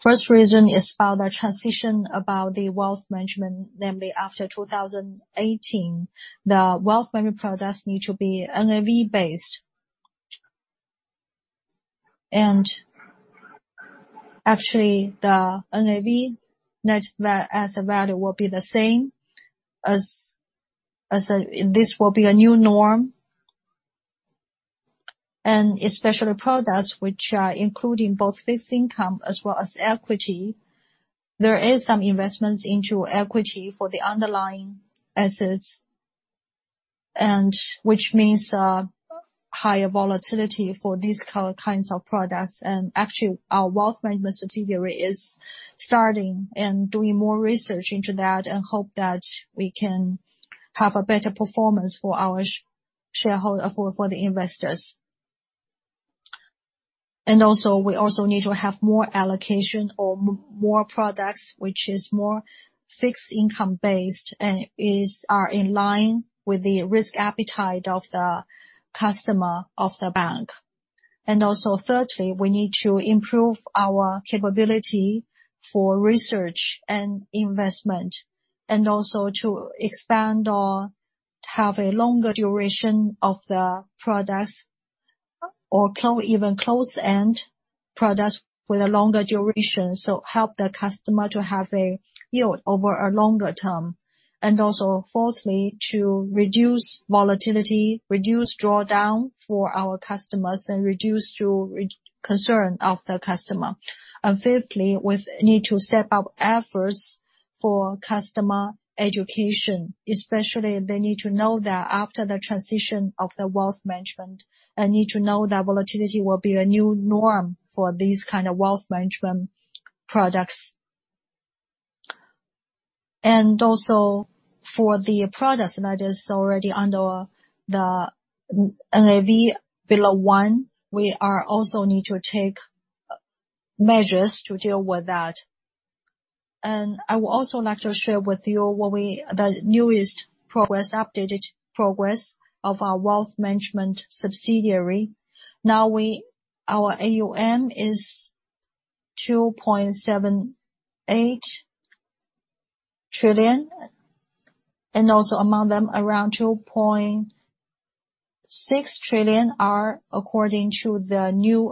First reason is about the transition about the wealth management, namely, after 2018, the wealth management products need to be NAV-based. Actually, the NAV, net asset value, will be the same as. This will be a new norm. Especially products which are including both fixed income as well as equity, there is some investments into equity for the underlying assets and which means higher volatility for these kinds of products. Actually, our Wealth Management subsidiary is starting and doing more research into that and hope that we can have a better performance for our shareholder, for the investors. We also need to have more allocation or more products which are more fixed income-based and are in line with the risk appetite of the customer of the bank. Thirdly, we need to improve our capability for research and investment, and also to expand or have a longer duration of the products or even closed-end products with a longer duration. Help the customer to have a yield over a longer term. Fourthly, to reduce volatility, reduce drawdown for our customers, and reduce concern of the customer. Fifthly, we need to step up efforts for customer education. Especially, they need to know that after the transition of the Wealth Management, volatility will be a new norm for these kind of wealth management products. Also for the products that is already under the NAV below one, we also need to take measures to deal with that. I would also like to share with you the newest progress, updated progress of our Wealth Management subsidiary. Now our AUM is 2.78 trillion, and also among them, around 2.6 trillion are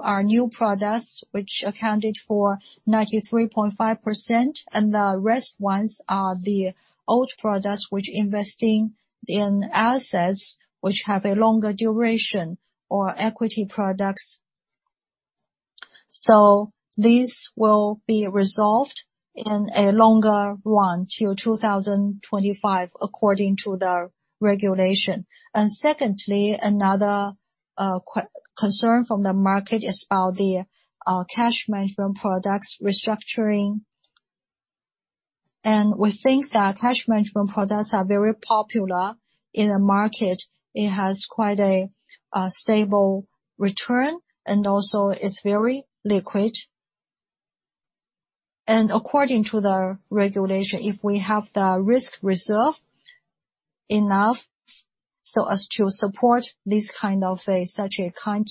our new products, which accounted for 93.5%, and the rest ones are the old products which investing in assets which have a longer duration or equity products. These will be resolved in a longer run till 2025 according to the regulation. Secondly, another concern from the market is about the cash management products restructuring. We think that cash management products are very popular in the market. It has quite a stable return and also is very liquid. According to the regulation, if we have the risk reserve enough so as to support this kind of a such a current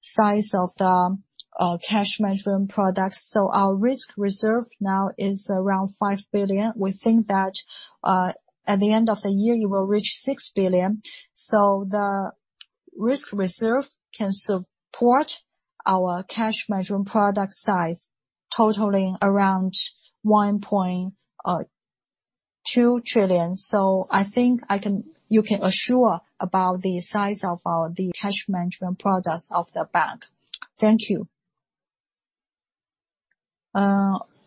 size of the cash management products. Our risk reserve now is around 5 billion. We think that at the end of the year, it will reach 6 billion. The risk reserve can support our cash management product size totaling around 1 trillion. I think you can assure about the size of our cash management products of the bank. Thank you.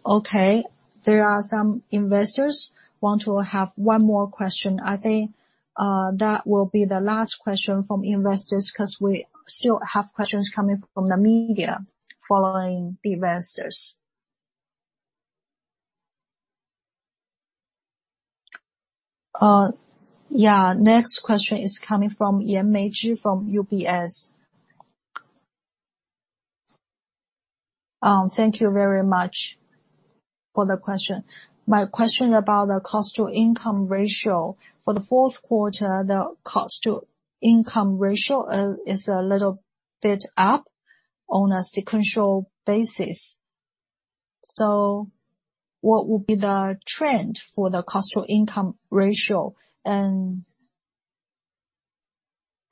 Okay. There are some investors who want to have one more question. I think that will be the last question from investors, 'cause we still have questions coming from the media following the investors. Next question is coming from May Yan from UBS. Thank you very much for the question. My question about the cost-to-income ratio. For the fourth quarter, the cost-to-income ratio is a little bit up on a sequential basis. So, what will be the trend for the cost-to-income ratio? And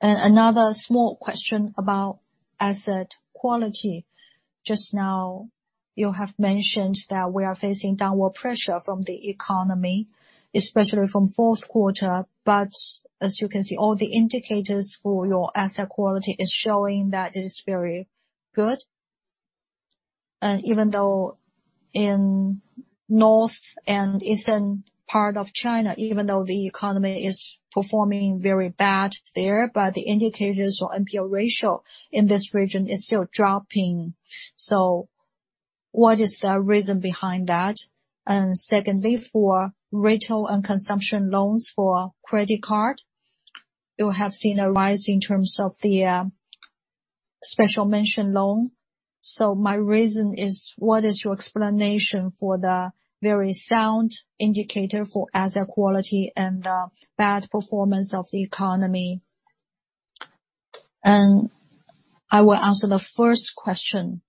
another small question about asset quality. Just now, you have mentioned that we are facing downward pressure from the economy, especially from fourth quarter, but as you can see, all the indicators for your asset quality are showing that it is very good. Even though in north and eastern part of China, even though the economy is performing very bad there, but the indicators or NPL ratio in this region is still dropping. What is the reason behind that? Secondly, for retail and consumption loans for credit card, you have seen a rise in terms of the special mention loan. My reason is, what is your explanation for the very sound indicator for asset quality and the bad performance of the economy? I will answer the first question.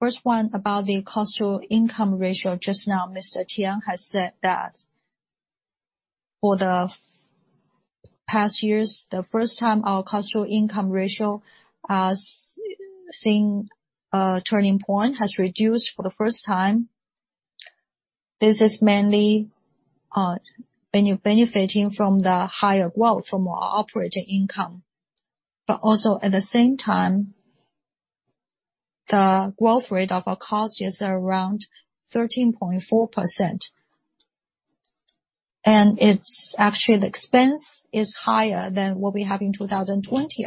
First one, about the cost-to-income ratio just now. Mr. Tian has said that for the past years, the first time our cost-to-income ratio has seen a turning point, has reduced for the first time. This is mainly benefiting from the higher growth from our operating income. Also at the same time, the growth rate of our costs is around 13.4%. It's actually the expense is higher than what we had in 2020,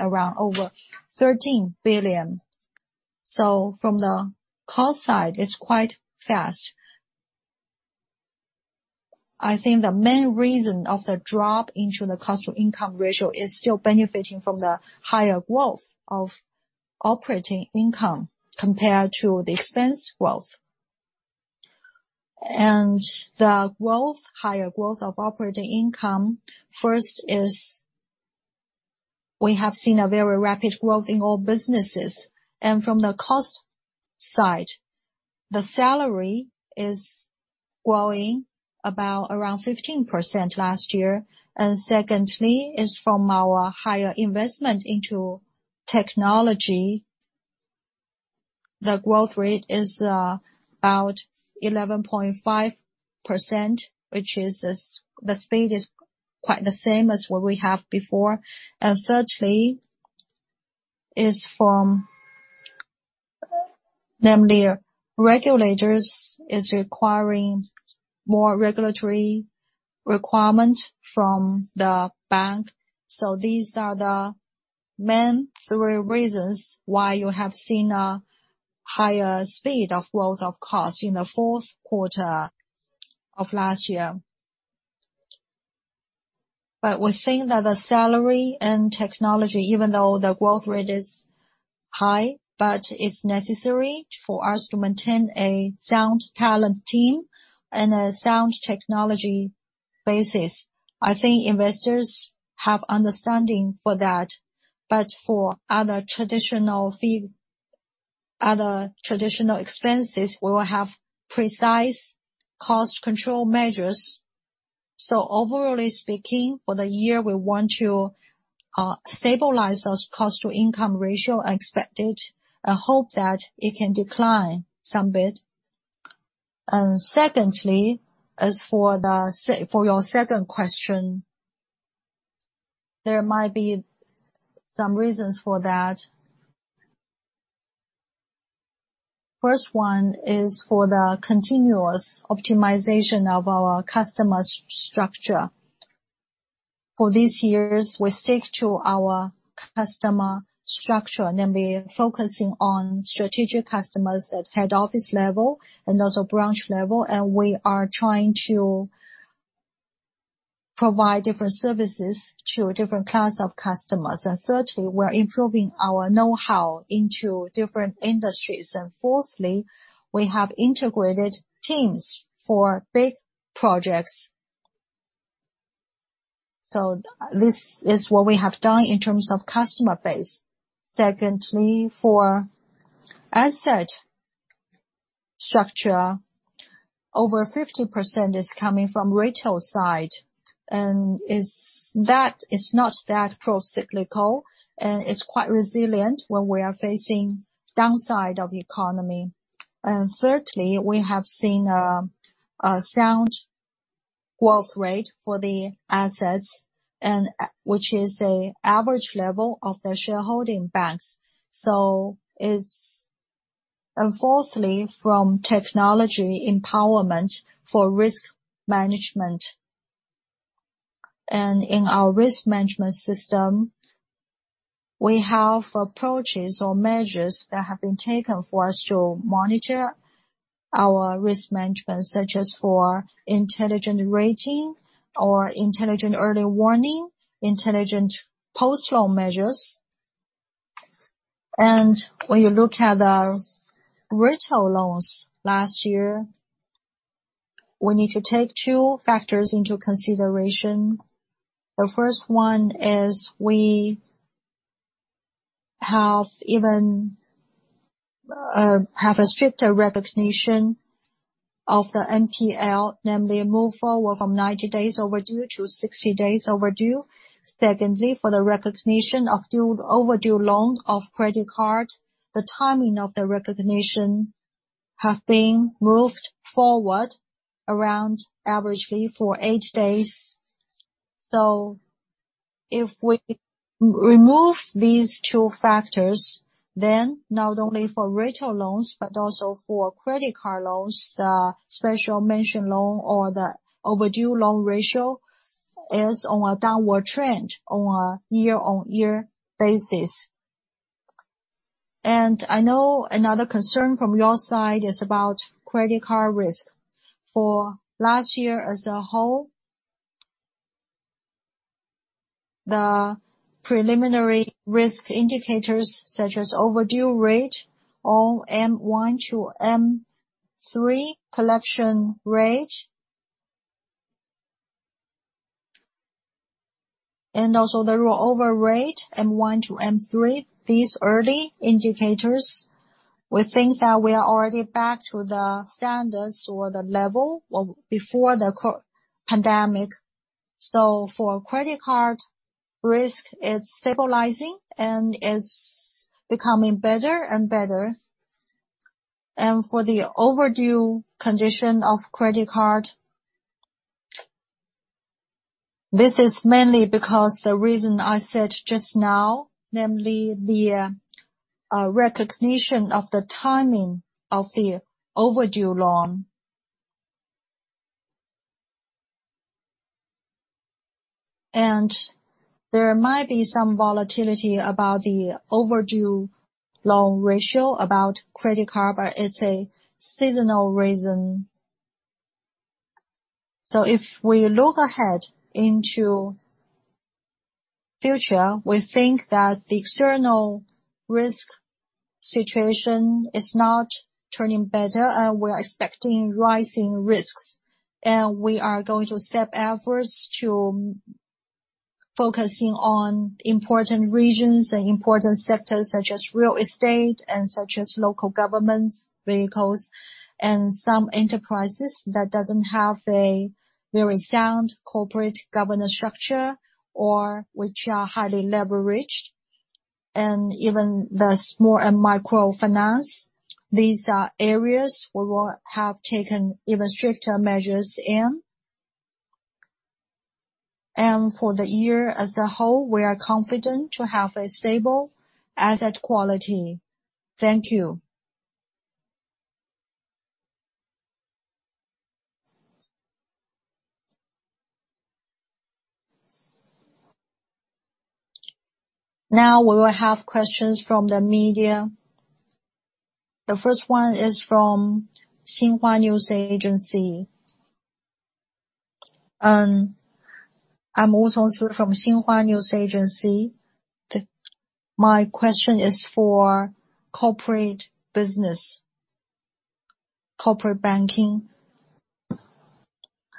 around over 13 billion. From the cost side, it's quite fast. I think the main reason of the drop in the cost-to-income ratio is still benefiting from the higher growth of operating income compared to the expense growth. The growth, higher growth of operating income, first is we have seen a very rapid growth in all businesses. From the cost side, the salary is growing about around 15% last year. Secondly is from our higher investment into technology. The growth rate is about 11.5%, which is the speed is quite the same as what we have before. Thirdly is from the regulators is requiring more regulatory requirement from the bank. These are the main three reasons why you have seen a higher speed of growth of costs in the fourth quarter of last year. We think that the salary and technology, even though the growth rate is high, but it's necessary for us to maintain a sound talent team and a sound technology basis. I think investors have understanding for that. For other traditional fee, other traditional expenses, we will have precise cost control measures. Overall speaking, for the year, we want to stabilize those cost-to-income ratio expected. I hope that it can decline some bit. Secondly, as for your second question, there might be some reasons for that. First one is for the continuous optimization of our customer structure. For these years, we stick to our customer structure, namely focusing on strategic customers at head office level and also branch level. We are trying to provide different services to different class of customers. Thirdly, we're improving our know-how into different industries. Fourthly, we have integrated teams for big projects. This is what we have done in terms of customer base. Secondly, for asset structure, over 50% is coming from retail side, and that is not that procyclical, and it's quite resilient when we are facing downside of economy. Thirdly, we have seen a sound growth rate for the assets and which is an average level of the shareholding banks. Fourthly, from technology empowerment for risk management. In our risk management system, we have approaches or measures that have been taken for us to monitor our risk management, such as for intelligent rating or intelligent early warning, intelligent post-loan measures. When you look at our retail loans last year, we need to take two factors into consideration. The first one is we even have a stricter recognition of the NPL, namely move forward from 90 days overdue to 60 days overdue. Secondly, for the recognition of overdue loans of credit card, the timing of the recognition have been moved forward around averagely for eight days. If we remove these two factors, then not only for retail loans, but also for credit card loans, the special mention loan or the overdue loan ratio is on a downward trend on a year-on-year basis. I know another concern from your side is about credit card risk. For last year as a whole, the preliminary risk indicators such as overdue rate or M1 to M3 collection rate, and also the rollover rate, M1 to M3, these early indicators, we think that we are already back to the standards or the level of before the pandemic. For credit card risk, it's stabilizing and it's becoming better and better. For the overdue condition of credit card, this is mainly because the reason I said just now, namely the recognition of the timing of the overdue loan. There might be some volatility about the overdue loan ratio about credit card, but it's a seasonal reason. If we look ahead into future, we think that the external risk situation is not turning better, and we're expecting rising risks. We are going to step up efforts to focus on important regions and important sectors such as real estate and such as local governments, vehicles, and some enterprises that don't have a very sound corporate governance structure or which are highly leveraged. Even the small and micro finance. These are areas we will take even stricter measures in. For the year as a whole, we are confident to have a stable asset quality. Thank you. Now we will have questions from the media. The first one is from Xinhua News Agency. I'm Wu Xonxu from Xinhua News Agency. My question is for corporate business, corporate banking.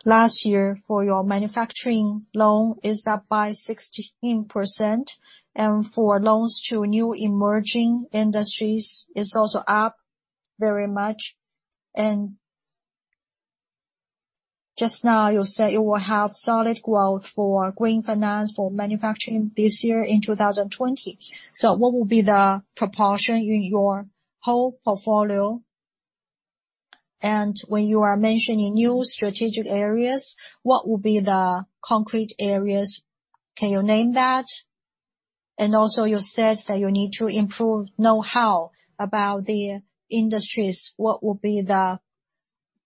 Last year, your manufacturing loans were up by 16%, and loans to new emerging industries were also up very much. Just now, you said you will have solid growth for green finance, for manufacturing this year in 2020. What will be the proportion in your whole portfolio? When you are mentioning new strategic areas, what will be the concrete areas? Can you name that? Also you said that you need to improve knowhow about the industries. What will be the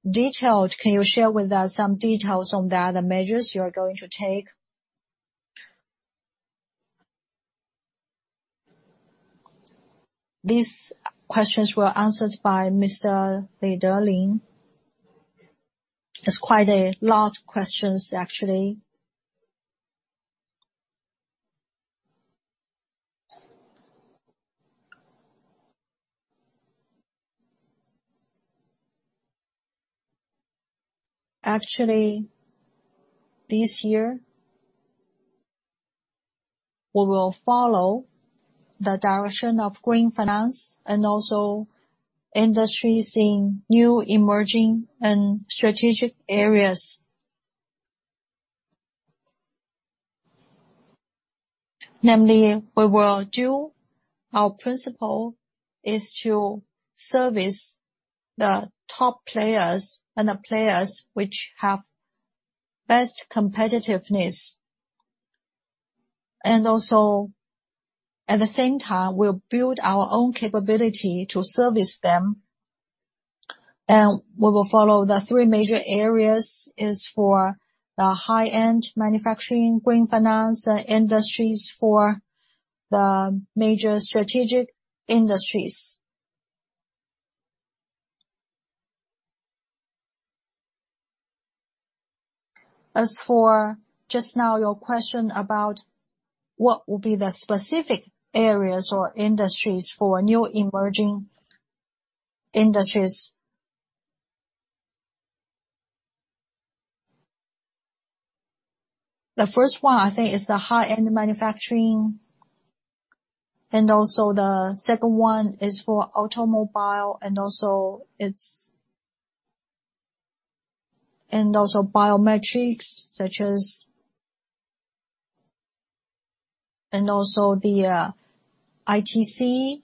detailed? Can you share with us some details on the other measures you are going to take? These questions were answered by Mr. Li Delin. It's quite a large questions, actually. Actually, this year, we will follow the direction of green finance and also industries in new emerging and strategic areas. Namely, we will do our principle is to service the top players and the players which have best competitiveness. At the same time, we'll build our own capability to service them, and we will follow the three major areas for the high-end manufacturing, green finance, and industries for the major strategic industries. As for just now, your question about what will be the specific areas or industries for new emerging industries. The first one, I think, is the high-end manufacturing. The second one is for automobile. Biometrics, such as the ICT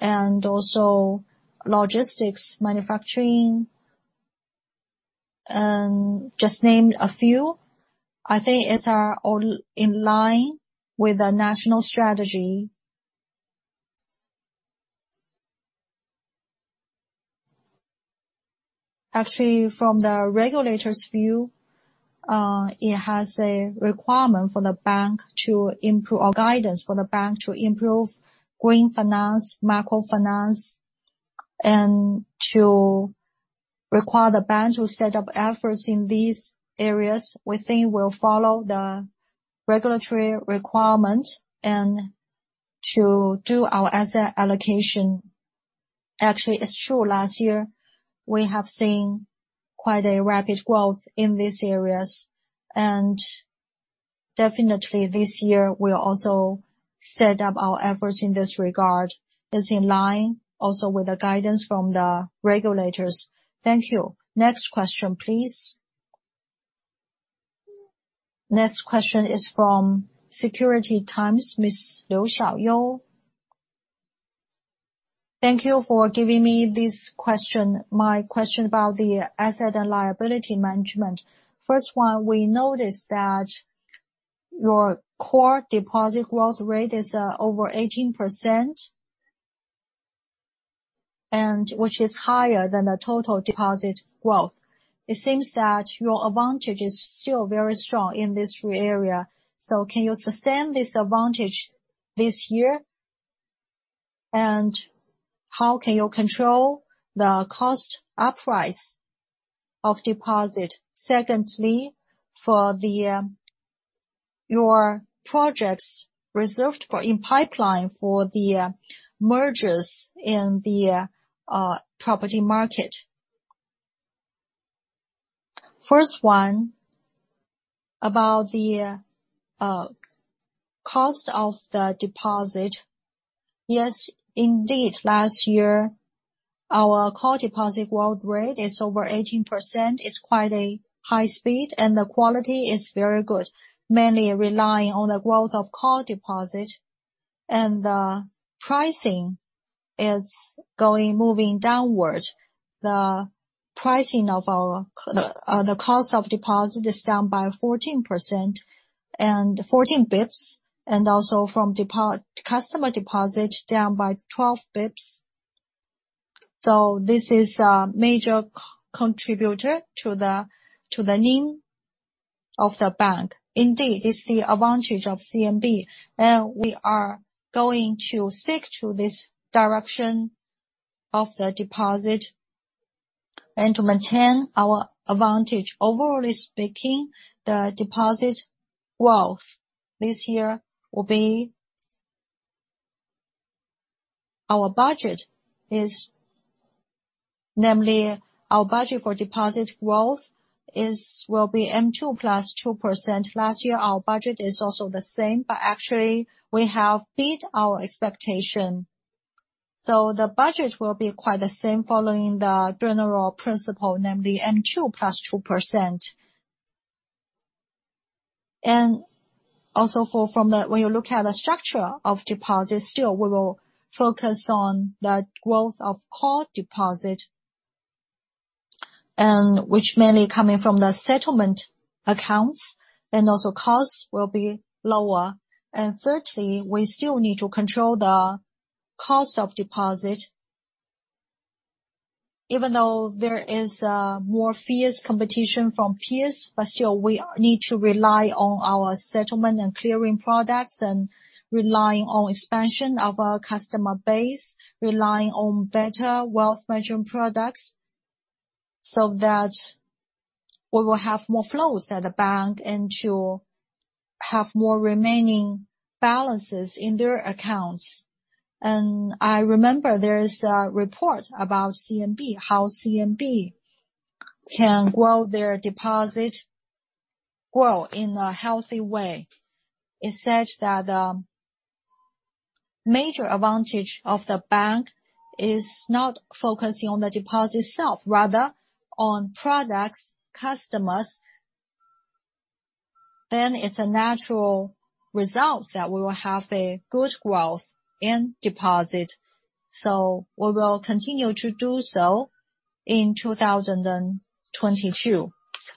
and also logistics, manufacturing, just named a few. I think it's all in line with the national strategy. Actually, from the regulator's view, it has a requirement for the bank to improve or guidance for the bank to improve green finance, microfinance, and to require the bank to set up efforts in these areas. We think we'll follow the regulatory requirement and to do our asset allocation. Actually, it's true. Last year, we have seen quite a rapid growth in these areas. Definitely this year, we'll also set up our efforts in this regard. It's in line also with the guidance from the regulators. Thank you. Next question, please. Next question is from Securities Times, Miss Liu Xiaoyou. Thank you for giving me this question. My question about the asset and liability management. First one, we noticed that your core deposit growth rate is over 18% and which is higher than the total deposit growth. It seems that your advantage is still very strong in this area. Can you sustain this advantage this year? And how can you control the cost rise of deposit? Secondly, for your projects reserved for in pipeline for the mergers in the property market. First one, about the cost of the deposit. Yes, indeed. Last year, our core deposit growth rate is over 18%. It's quite a high speed, and the quality is very good. Mainly relying on the growth of core deposit and pricing is moving downward. The pricing of our the cost of deposit is down by 14 basis points, and also from customer deposit down by 12 basis points. So, this is a major contributor to the NIM of the bank. Indeed, it's the advantage of CMB, and we are going to stick to this direction of the deposit and to maintain our advantage. Overall speaking, the deposit growth this year will be... Our budget for deposit growth will be M2 +2%. Last year, our budget is also the same, but actually we have beat our expectation. The budget will be quite the same following the general principle, namely M2 +2%. Also, when you look at the structure of deposits, still we will focus on the growth of core deposits, which mainly coming from the settlement accounts, and also costs will be lower. Thirdly, we still need to control the cost of deposit. Even though there is more fierce competition from peers, but still we need to rely on our settlement and clearing products, and relying on expansion of our customer base, relying on better wealth management products, so that we will have more flows at the bank and to have more remaining balances in their accounts. I remember there is a report about CMB, how CMB can grow their deposit in a healthy way. It's such that major advantage of the bank is not focusing on the deposit itself, rather on products, customers. It's a natural result that we will have a good growth in deposit. We will continue to do so in 2022,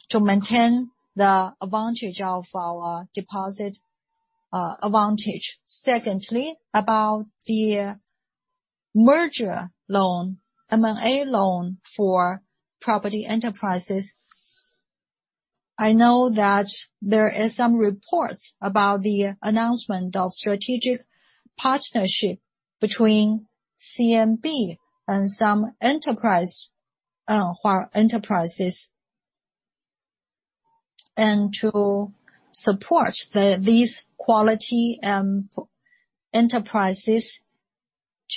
to maintain the advantage of our deposit, advantage. Secondly, about the merger loan, M&A loan for property enterprises. I know that there is some reports about the announcement of strategic partnership between CMB and some enterprises. To support these quality enterprises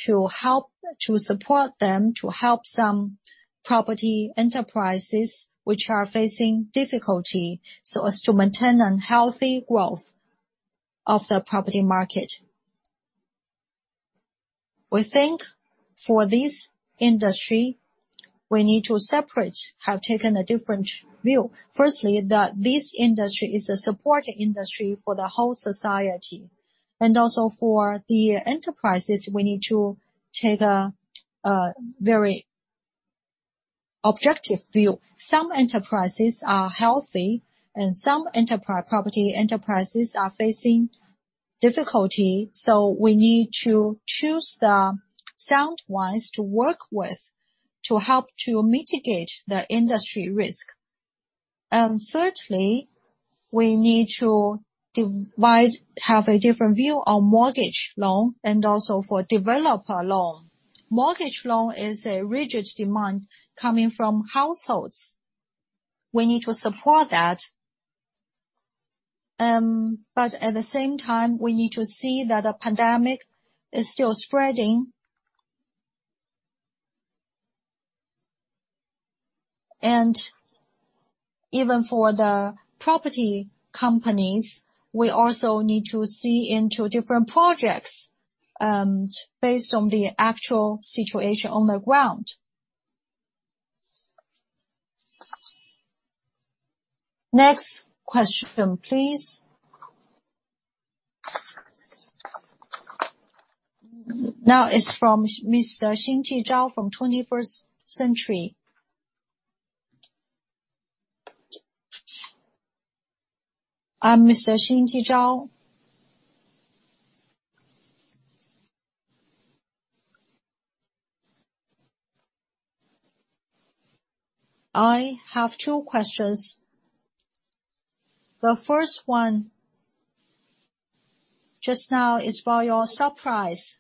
to help to support them, to help some property enterprises which are facing difficulty, so as to maintain a healthy growth of the property market. We think for this industry, we have taken a different view. Firstly, that this industry is a supporting industry for the whole society. Also for the enterprises, we need to take a very objective view. Some enterprises are healthy and some property enterprises are facing difficulty, so we need to choose the sound ones to work with to help to mitigate the industry risk. Thirdly, we have a different view on mortgage loan and also for developer loan. Mortgage loan is a rigid demand coming from households. We need to support that. At the same time, we need to see that the pandemic is still spreading. Even for the property companies, we also need to see into different projects, based on the actual situation on the ground. Next question, please. Now it's from Mr. Xingti Zhao from Twenty-First Century. Mr. Xingti Zhao? I have two questions. The first one, just now is for your stock price.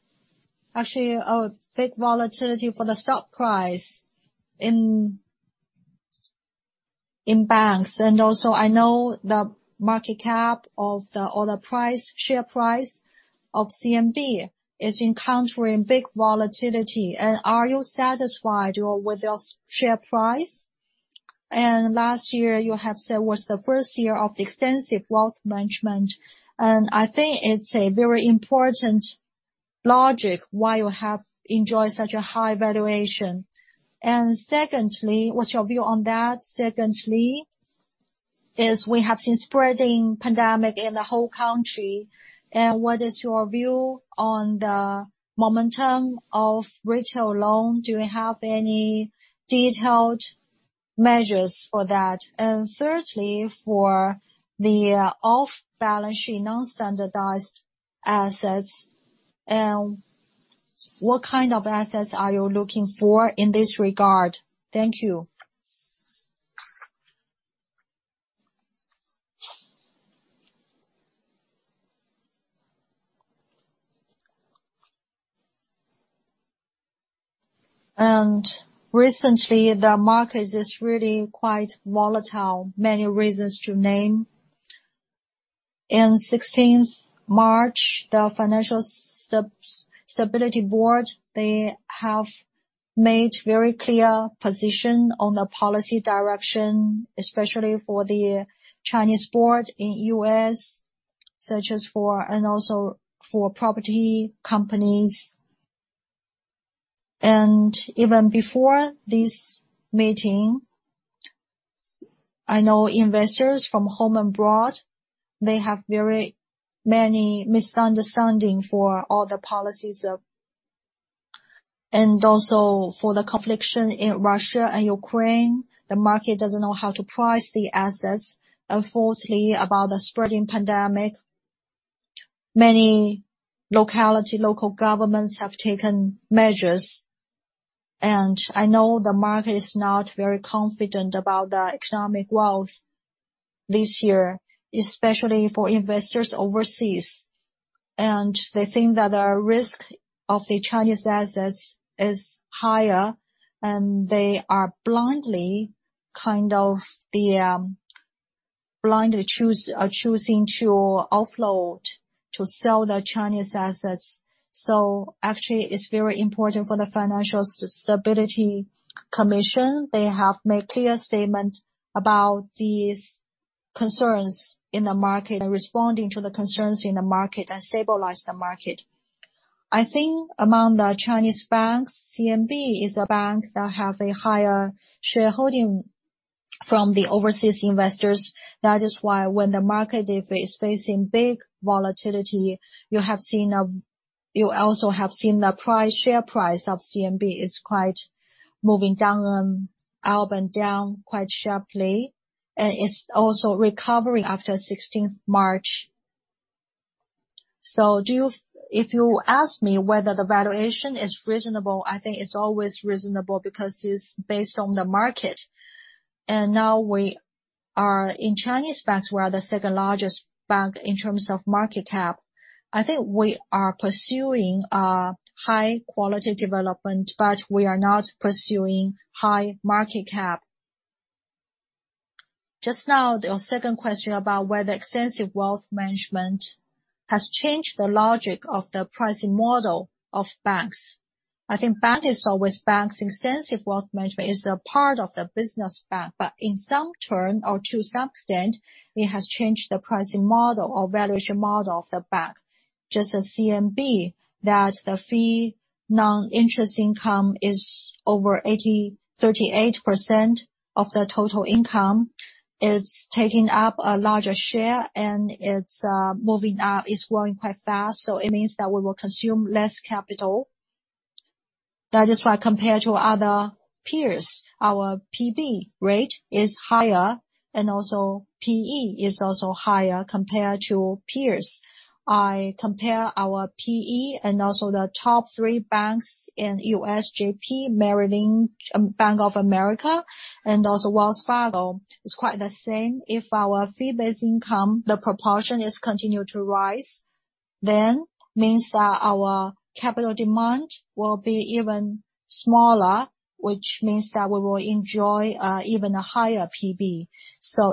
Actually, a big volatility for the stock price in banks, and also, I know the market cap of the or the share price of CMB is encountering big volatility. Are you satisfied or with your share price? Last year you have said was the first year of extensive wealth management, and I think it's a very important logic why you have enjoyed such a high valuation. Secondly, what's your view on that? Second, we have seen spreading pandemic in the whole country, and what is your view on the momentum of retail loan? Do you have any detailed measures for that? Third, for the off-balance sheet non-standardized assets, what kind of assets are you looking for in this regard? Thank you. Recently, the market is really quite volatile, many reasons to name. On March 16, the Financial Stability Board, they have made very clear position on the policy direction, especially for the Chinese banks in U.S., such as for and also for property companies. Even before this meeting, I know investors from home and abroad, they have very many misunderstanding for all the policies of. Also for the conflict in Russia and Ukraine. The market doesn't know how to price the assets. Fourth, about the spreading pandemic. Many local governments have taken measures. I know the market is not very confident about the economic growth this year, especially for investors overseas. They think that the risk of the Chinese assets is higher, and they are blindly choosing to offload, to sell their Chinese assets. Actually, it's very important for the Financial Stability Commission. They have made clear statement about these concerns in the market and responding to the concerns in the market and stabilize the market. I think among the Chinese banks, CMB is a bank that have a higher shareholding from the overseas investors. That is why when the market if it is facing big volatility, you have seen the share price of CMB moving up and down quite sharply. It's also recovering after 16th March. If you ask me whether the valuation is reasonable, I think it's always reasonable because it's based on the market. In Chinese banks, we are the second largest bank in terms of market cap. I think we are pursuing a high-quality development, but we are not pursuing high market cap. Just now, your second question about whether extensive wealth management has changed the logic of the pricing model of banks. I think bank is always banks. Extensive wealth management is a part of the business bank, but in some term or to some extent, it has changed the pricing model or valuation model of the bank. Just as CMB, that the fee, non-interest income is over 83.8% of the total income. It's taking up a larger share, and it's moving up. It's growing quite fast, so it means that we will consume less capital. That is why compared to other peers, our PB rate is higher and also PE is also higher compared to peers. I compare our PE and also the top three banks in U.S., JP, Merrill Lynch, Bank of America, and also Wells Fargo. It's quite the same. If our fee-based income, the proportion is continued to rise, then means that our capital demand will be even smaller, which means that we will enjoy even a higher PB.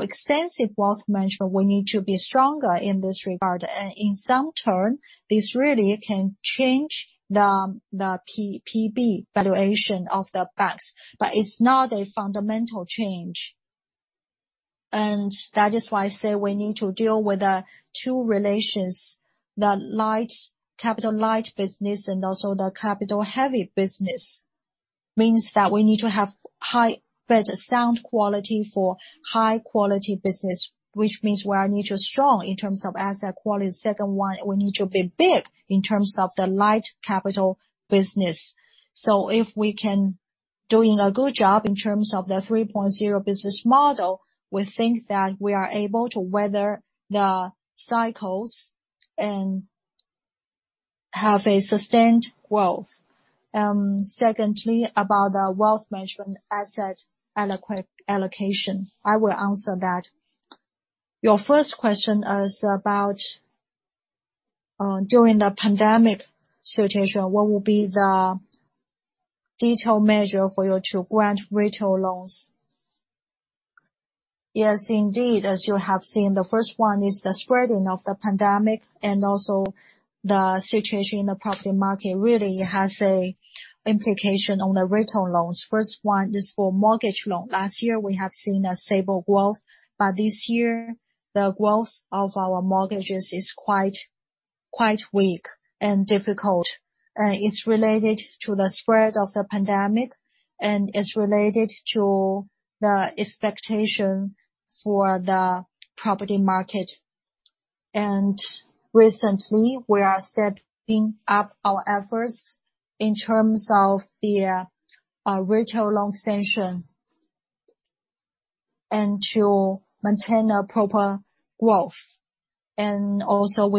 Extensive wealth management, we need to be stronger in this regard. In some term, this really can change the PB valuation of the banks, but it's not a fundamental change. That is why I say we need to deal with the two relations, the light, capital light business and also the capital heavy business. It means that we need to have better sound quality for high quality business, which means we need to be strong in terms of asset quality. Second one, we need to be big in terms of the light capital business. If we can do a good job in terms of the 3.0 business model, we think that we are able to weather the cycles and have a sustained growth. Secondly, about the Wealth Management asset allocation. I will answer that. Your first question is about during the pandemic situation, what will be the detailed measure for you to grant retail loans? Yes, indeed, as you have seen, the first one is the spreading of the pandemic and also the situation in the property market really has an implication on the retail loans. First one is for mortgage loan. Last year, we have seen a stable growth, but this year, the growth of our mortgages is quite weak and difficult. It's related to the spread of the pandemic, and it's related to the expectation for the property market. Recently, we are stepping up our efforts in terms of the retail loan extension and to maintain a proper growth. We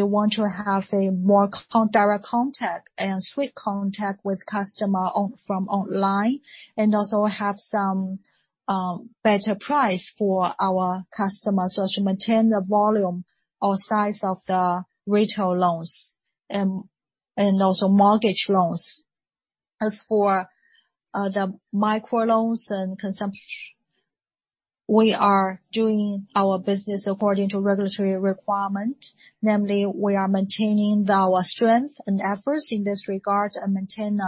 want to have a more direct contact and sweet contact with customer from online, and also have some better price for our customers so as to maintain the volume or size of the retail loans, and also mortgage loans. As for the micro loans and consumption, we are doing our business according to regulatory requirement. Namely, we are maintaining our strength and efforts in this regard and maintain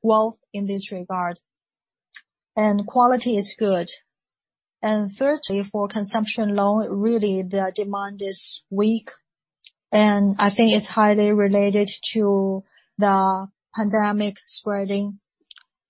scale in this regard. Quality is good. Thirdly, for consumer loan, really the demand is weak, and I think it's highly related to the pandemic spreading.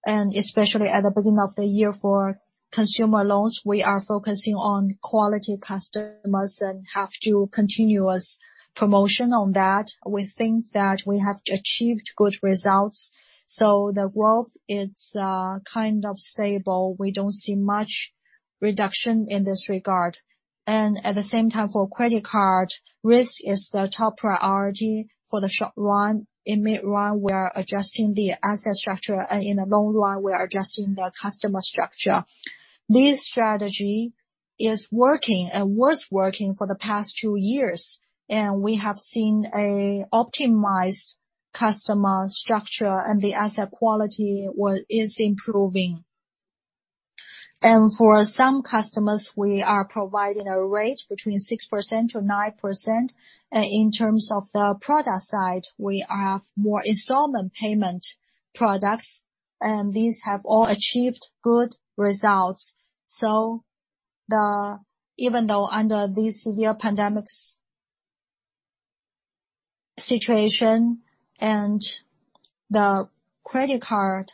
Especially at the beginning of the year for consumer loans, we are focusing on quality customers and have continuous promotion on that. We think that we have achieved good results. The growth is kind of stable. We don't see much reduction in this regard. At the same time for credit card, risk is the top priority for the short run. In mid run, we are adjusting the asset structure. In the long run, we are adjusting the customer structure. This strategy is working and was working for the past two years, and we have seen an optimized customer structure and the asset quality is improving. For some customers, we are providing a rate between 6%-9%. In terms of the product side, we have more installment payment products, and these have all achieved good results. Even though under this severe pandemic situation and the credit card,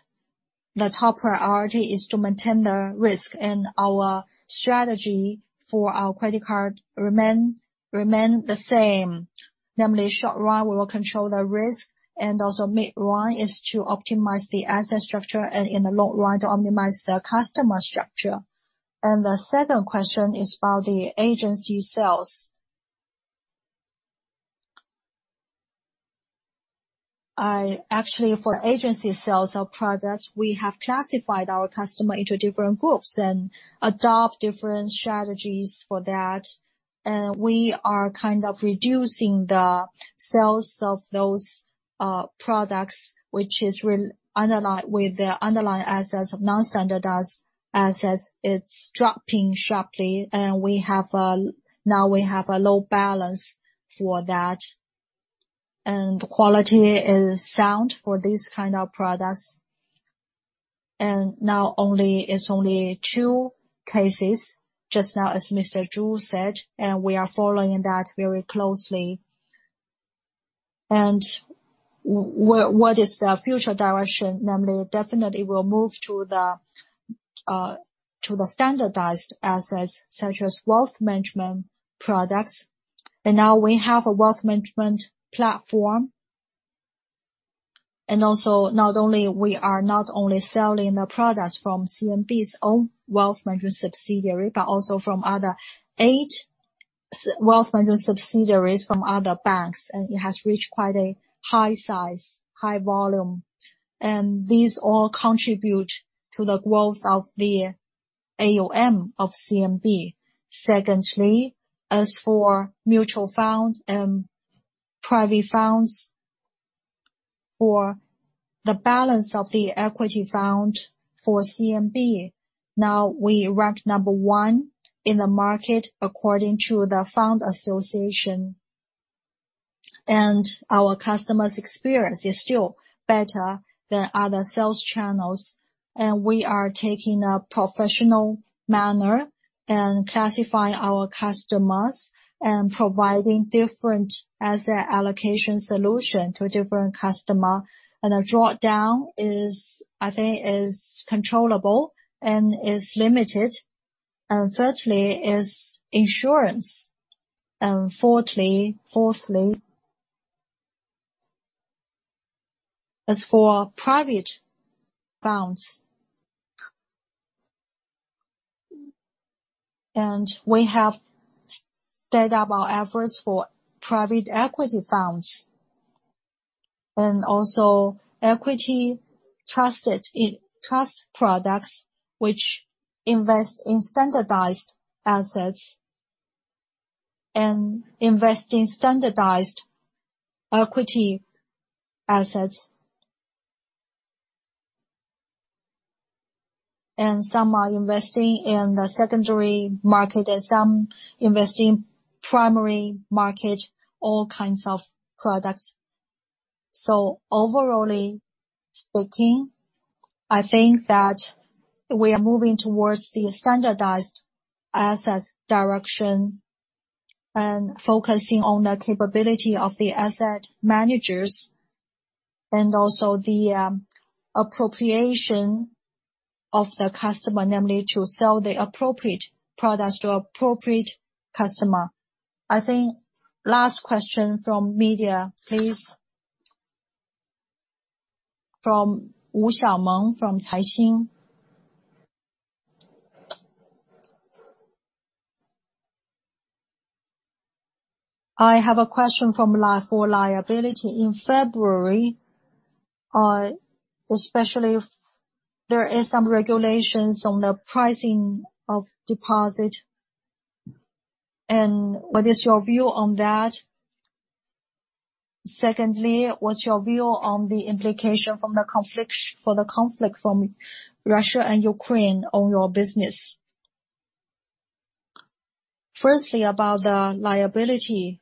the top priority is to control the risk and our strategy for our credit card remains the same. In the short run, we will control the risk. In the mid run, we will optimize the asset structure, and in the long run, to optimize the customer structure. The second question is about the agency sales. Actually, for agency sales of products, we have classified our customers into different groups and adopt different strategies for that. We are kind of reducing the sales of those products, which rely on underlying assets of non-standardized assets. It's dropping sharply. Now we have a low balance for that. Quality is sound for these kind of products. Now it's only two cases just now as Mr. Zhu said, and we are following that very closely. What is the future direction? Namely, definitely we'll move to the standardized assets such as Wealth Management Products. Now we have a Wealth Management platform. We are not only selling the products from CMB's own Wealth Management subsidiary, but also from other eight wealth management subsidiaries from other banks. It has reached quite a high size, high volume. These all contribute to the growth of the AUM of CMB. Secondly, as for mutual fund and private funds, for the balance of the equity fund for CMB, now we rank number 1 in the market, according to the fund association. Our customers' experience is still better than other sales channels. We are taking a professional manner and classifying our customers and providing different asset allocation solution to different customer. The drawdown is, I think, controllable and is limited. Thirdly is insurance. Fourthly, as for private funds. We have stepped up our efforts for private equity funds and also equity trusts and trust products which invest in standardized assets and invest in standardized equity assets. Some are investing in the secondary market, and some invest in primary market, all kinds of products. Overall speaking, I think that we are moving towards the standardized assets direction and focusing on the capability of the asset managers and also the appropriation of the customer, namely, to sell the appropriate products to appropriate customer. I think last question from media, please. From Wu Xiaomeng from Caixin. I have a question for liability. In February, especially if there is some regulations on the pricing of deposit, and what is your view on that? Secondly, what's your view on the implication from the conflict from Russia and Ukraine on your business? Firstly, about the liability,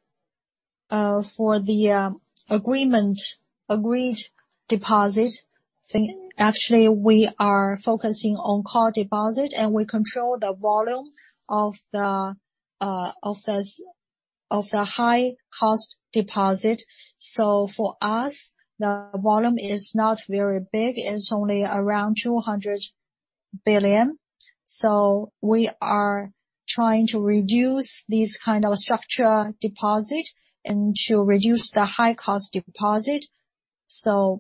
for the agreed deposit, actually we are focusing on core deposit, and we control the volume of the high-cost deposit. For us, the volume is not very big. It's only around 200 billion. We are trying to reduce this kind of structure deposit and to reduce the high-cost deposit.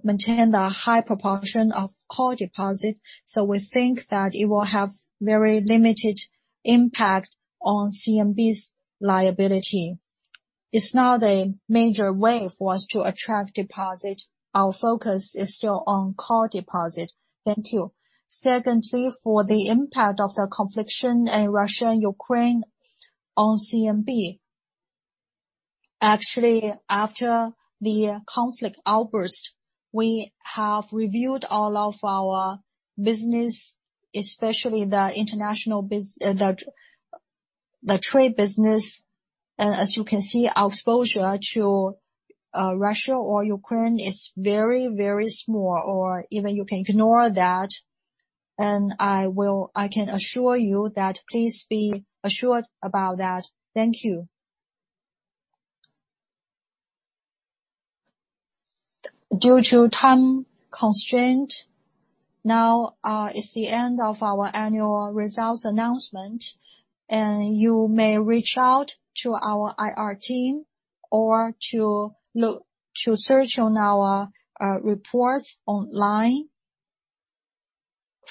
Maintain the high proportion of core deposit. We think that it will have very limited impact on CMB's liability. It's not a major way for us to attract deposit. Our focus is still on core deposit. Thank you. Secondly, for the impact of the conflict in Russia and Ukraine on CMB. Actually, after the conflict outbreak, we have reviewed all of our business, especially the international trade business. As you can see, our exposure to Russia or Ukraine is very, very small or even you can ignore that. I can assure you that please be assured about that. Thank you. Due to time constraint, now is the end of our annual results announcement. You may reach out to our IR team or to search on our reports online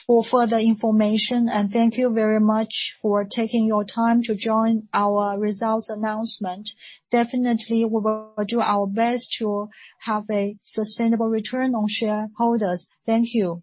for further information. Thank you very much for taking your time to join our results announcement. Definitely, we will do our best to have a sustainable return on shareholders. Thank you.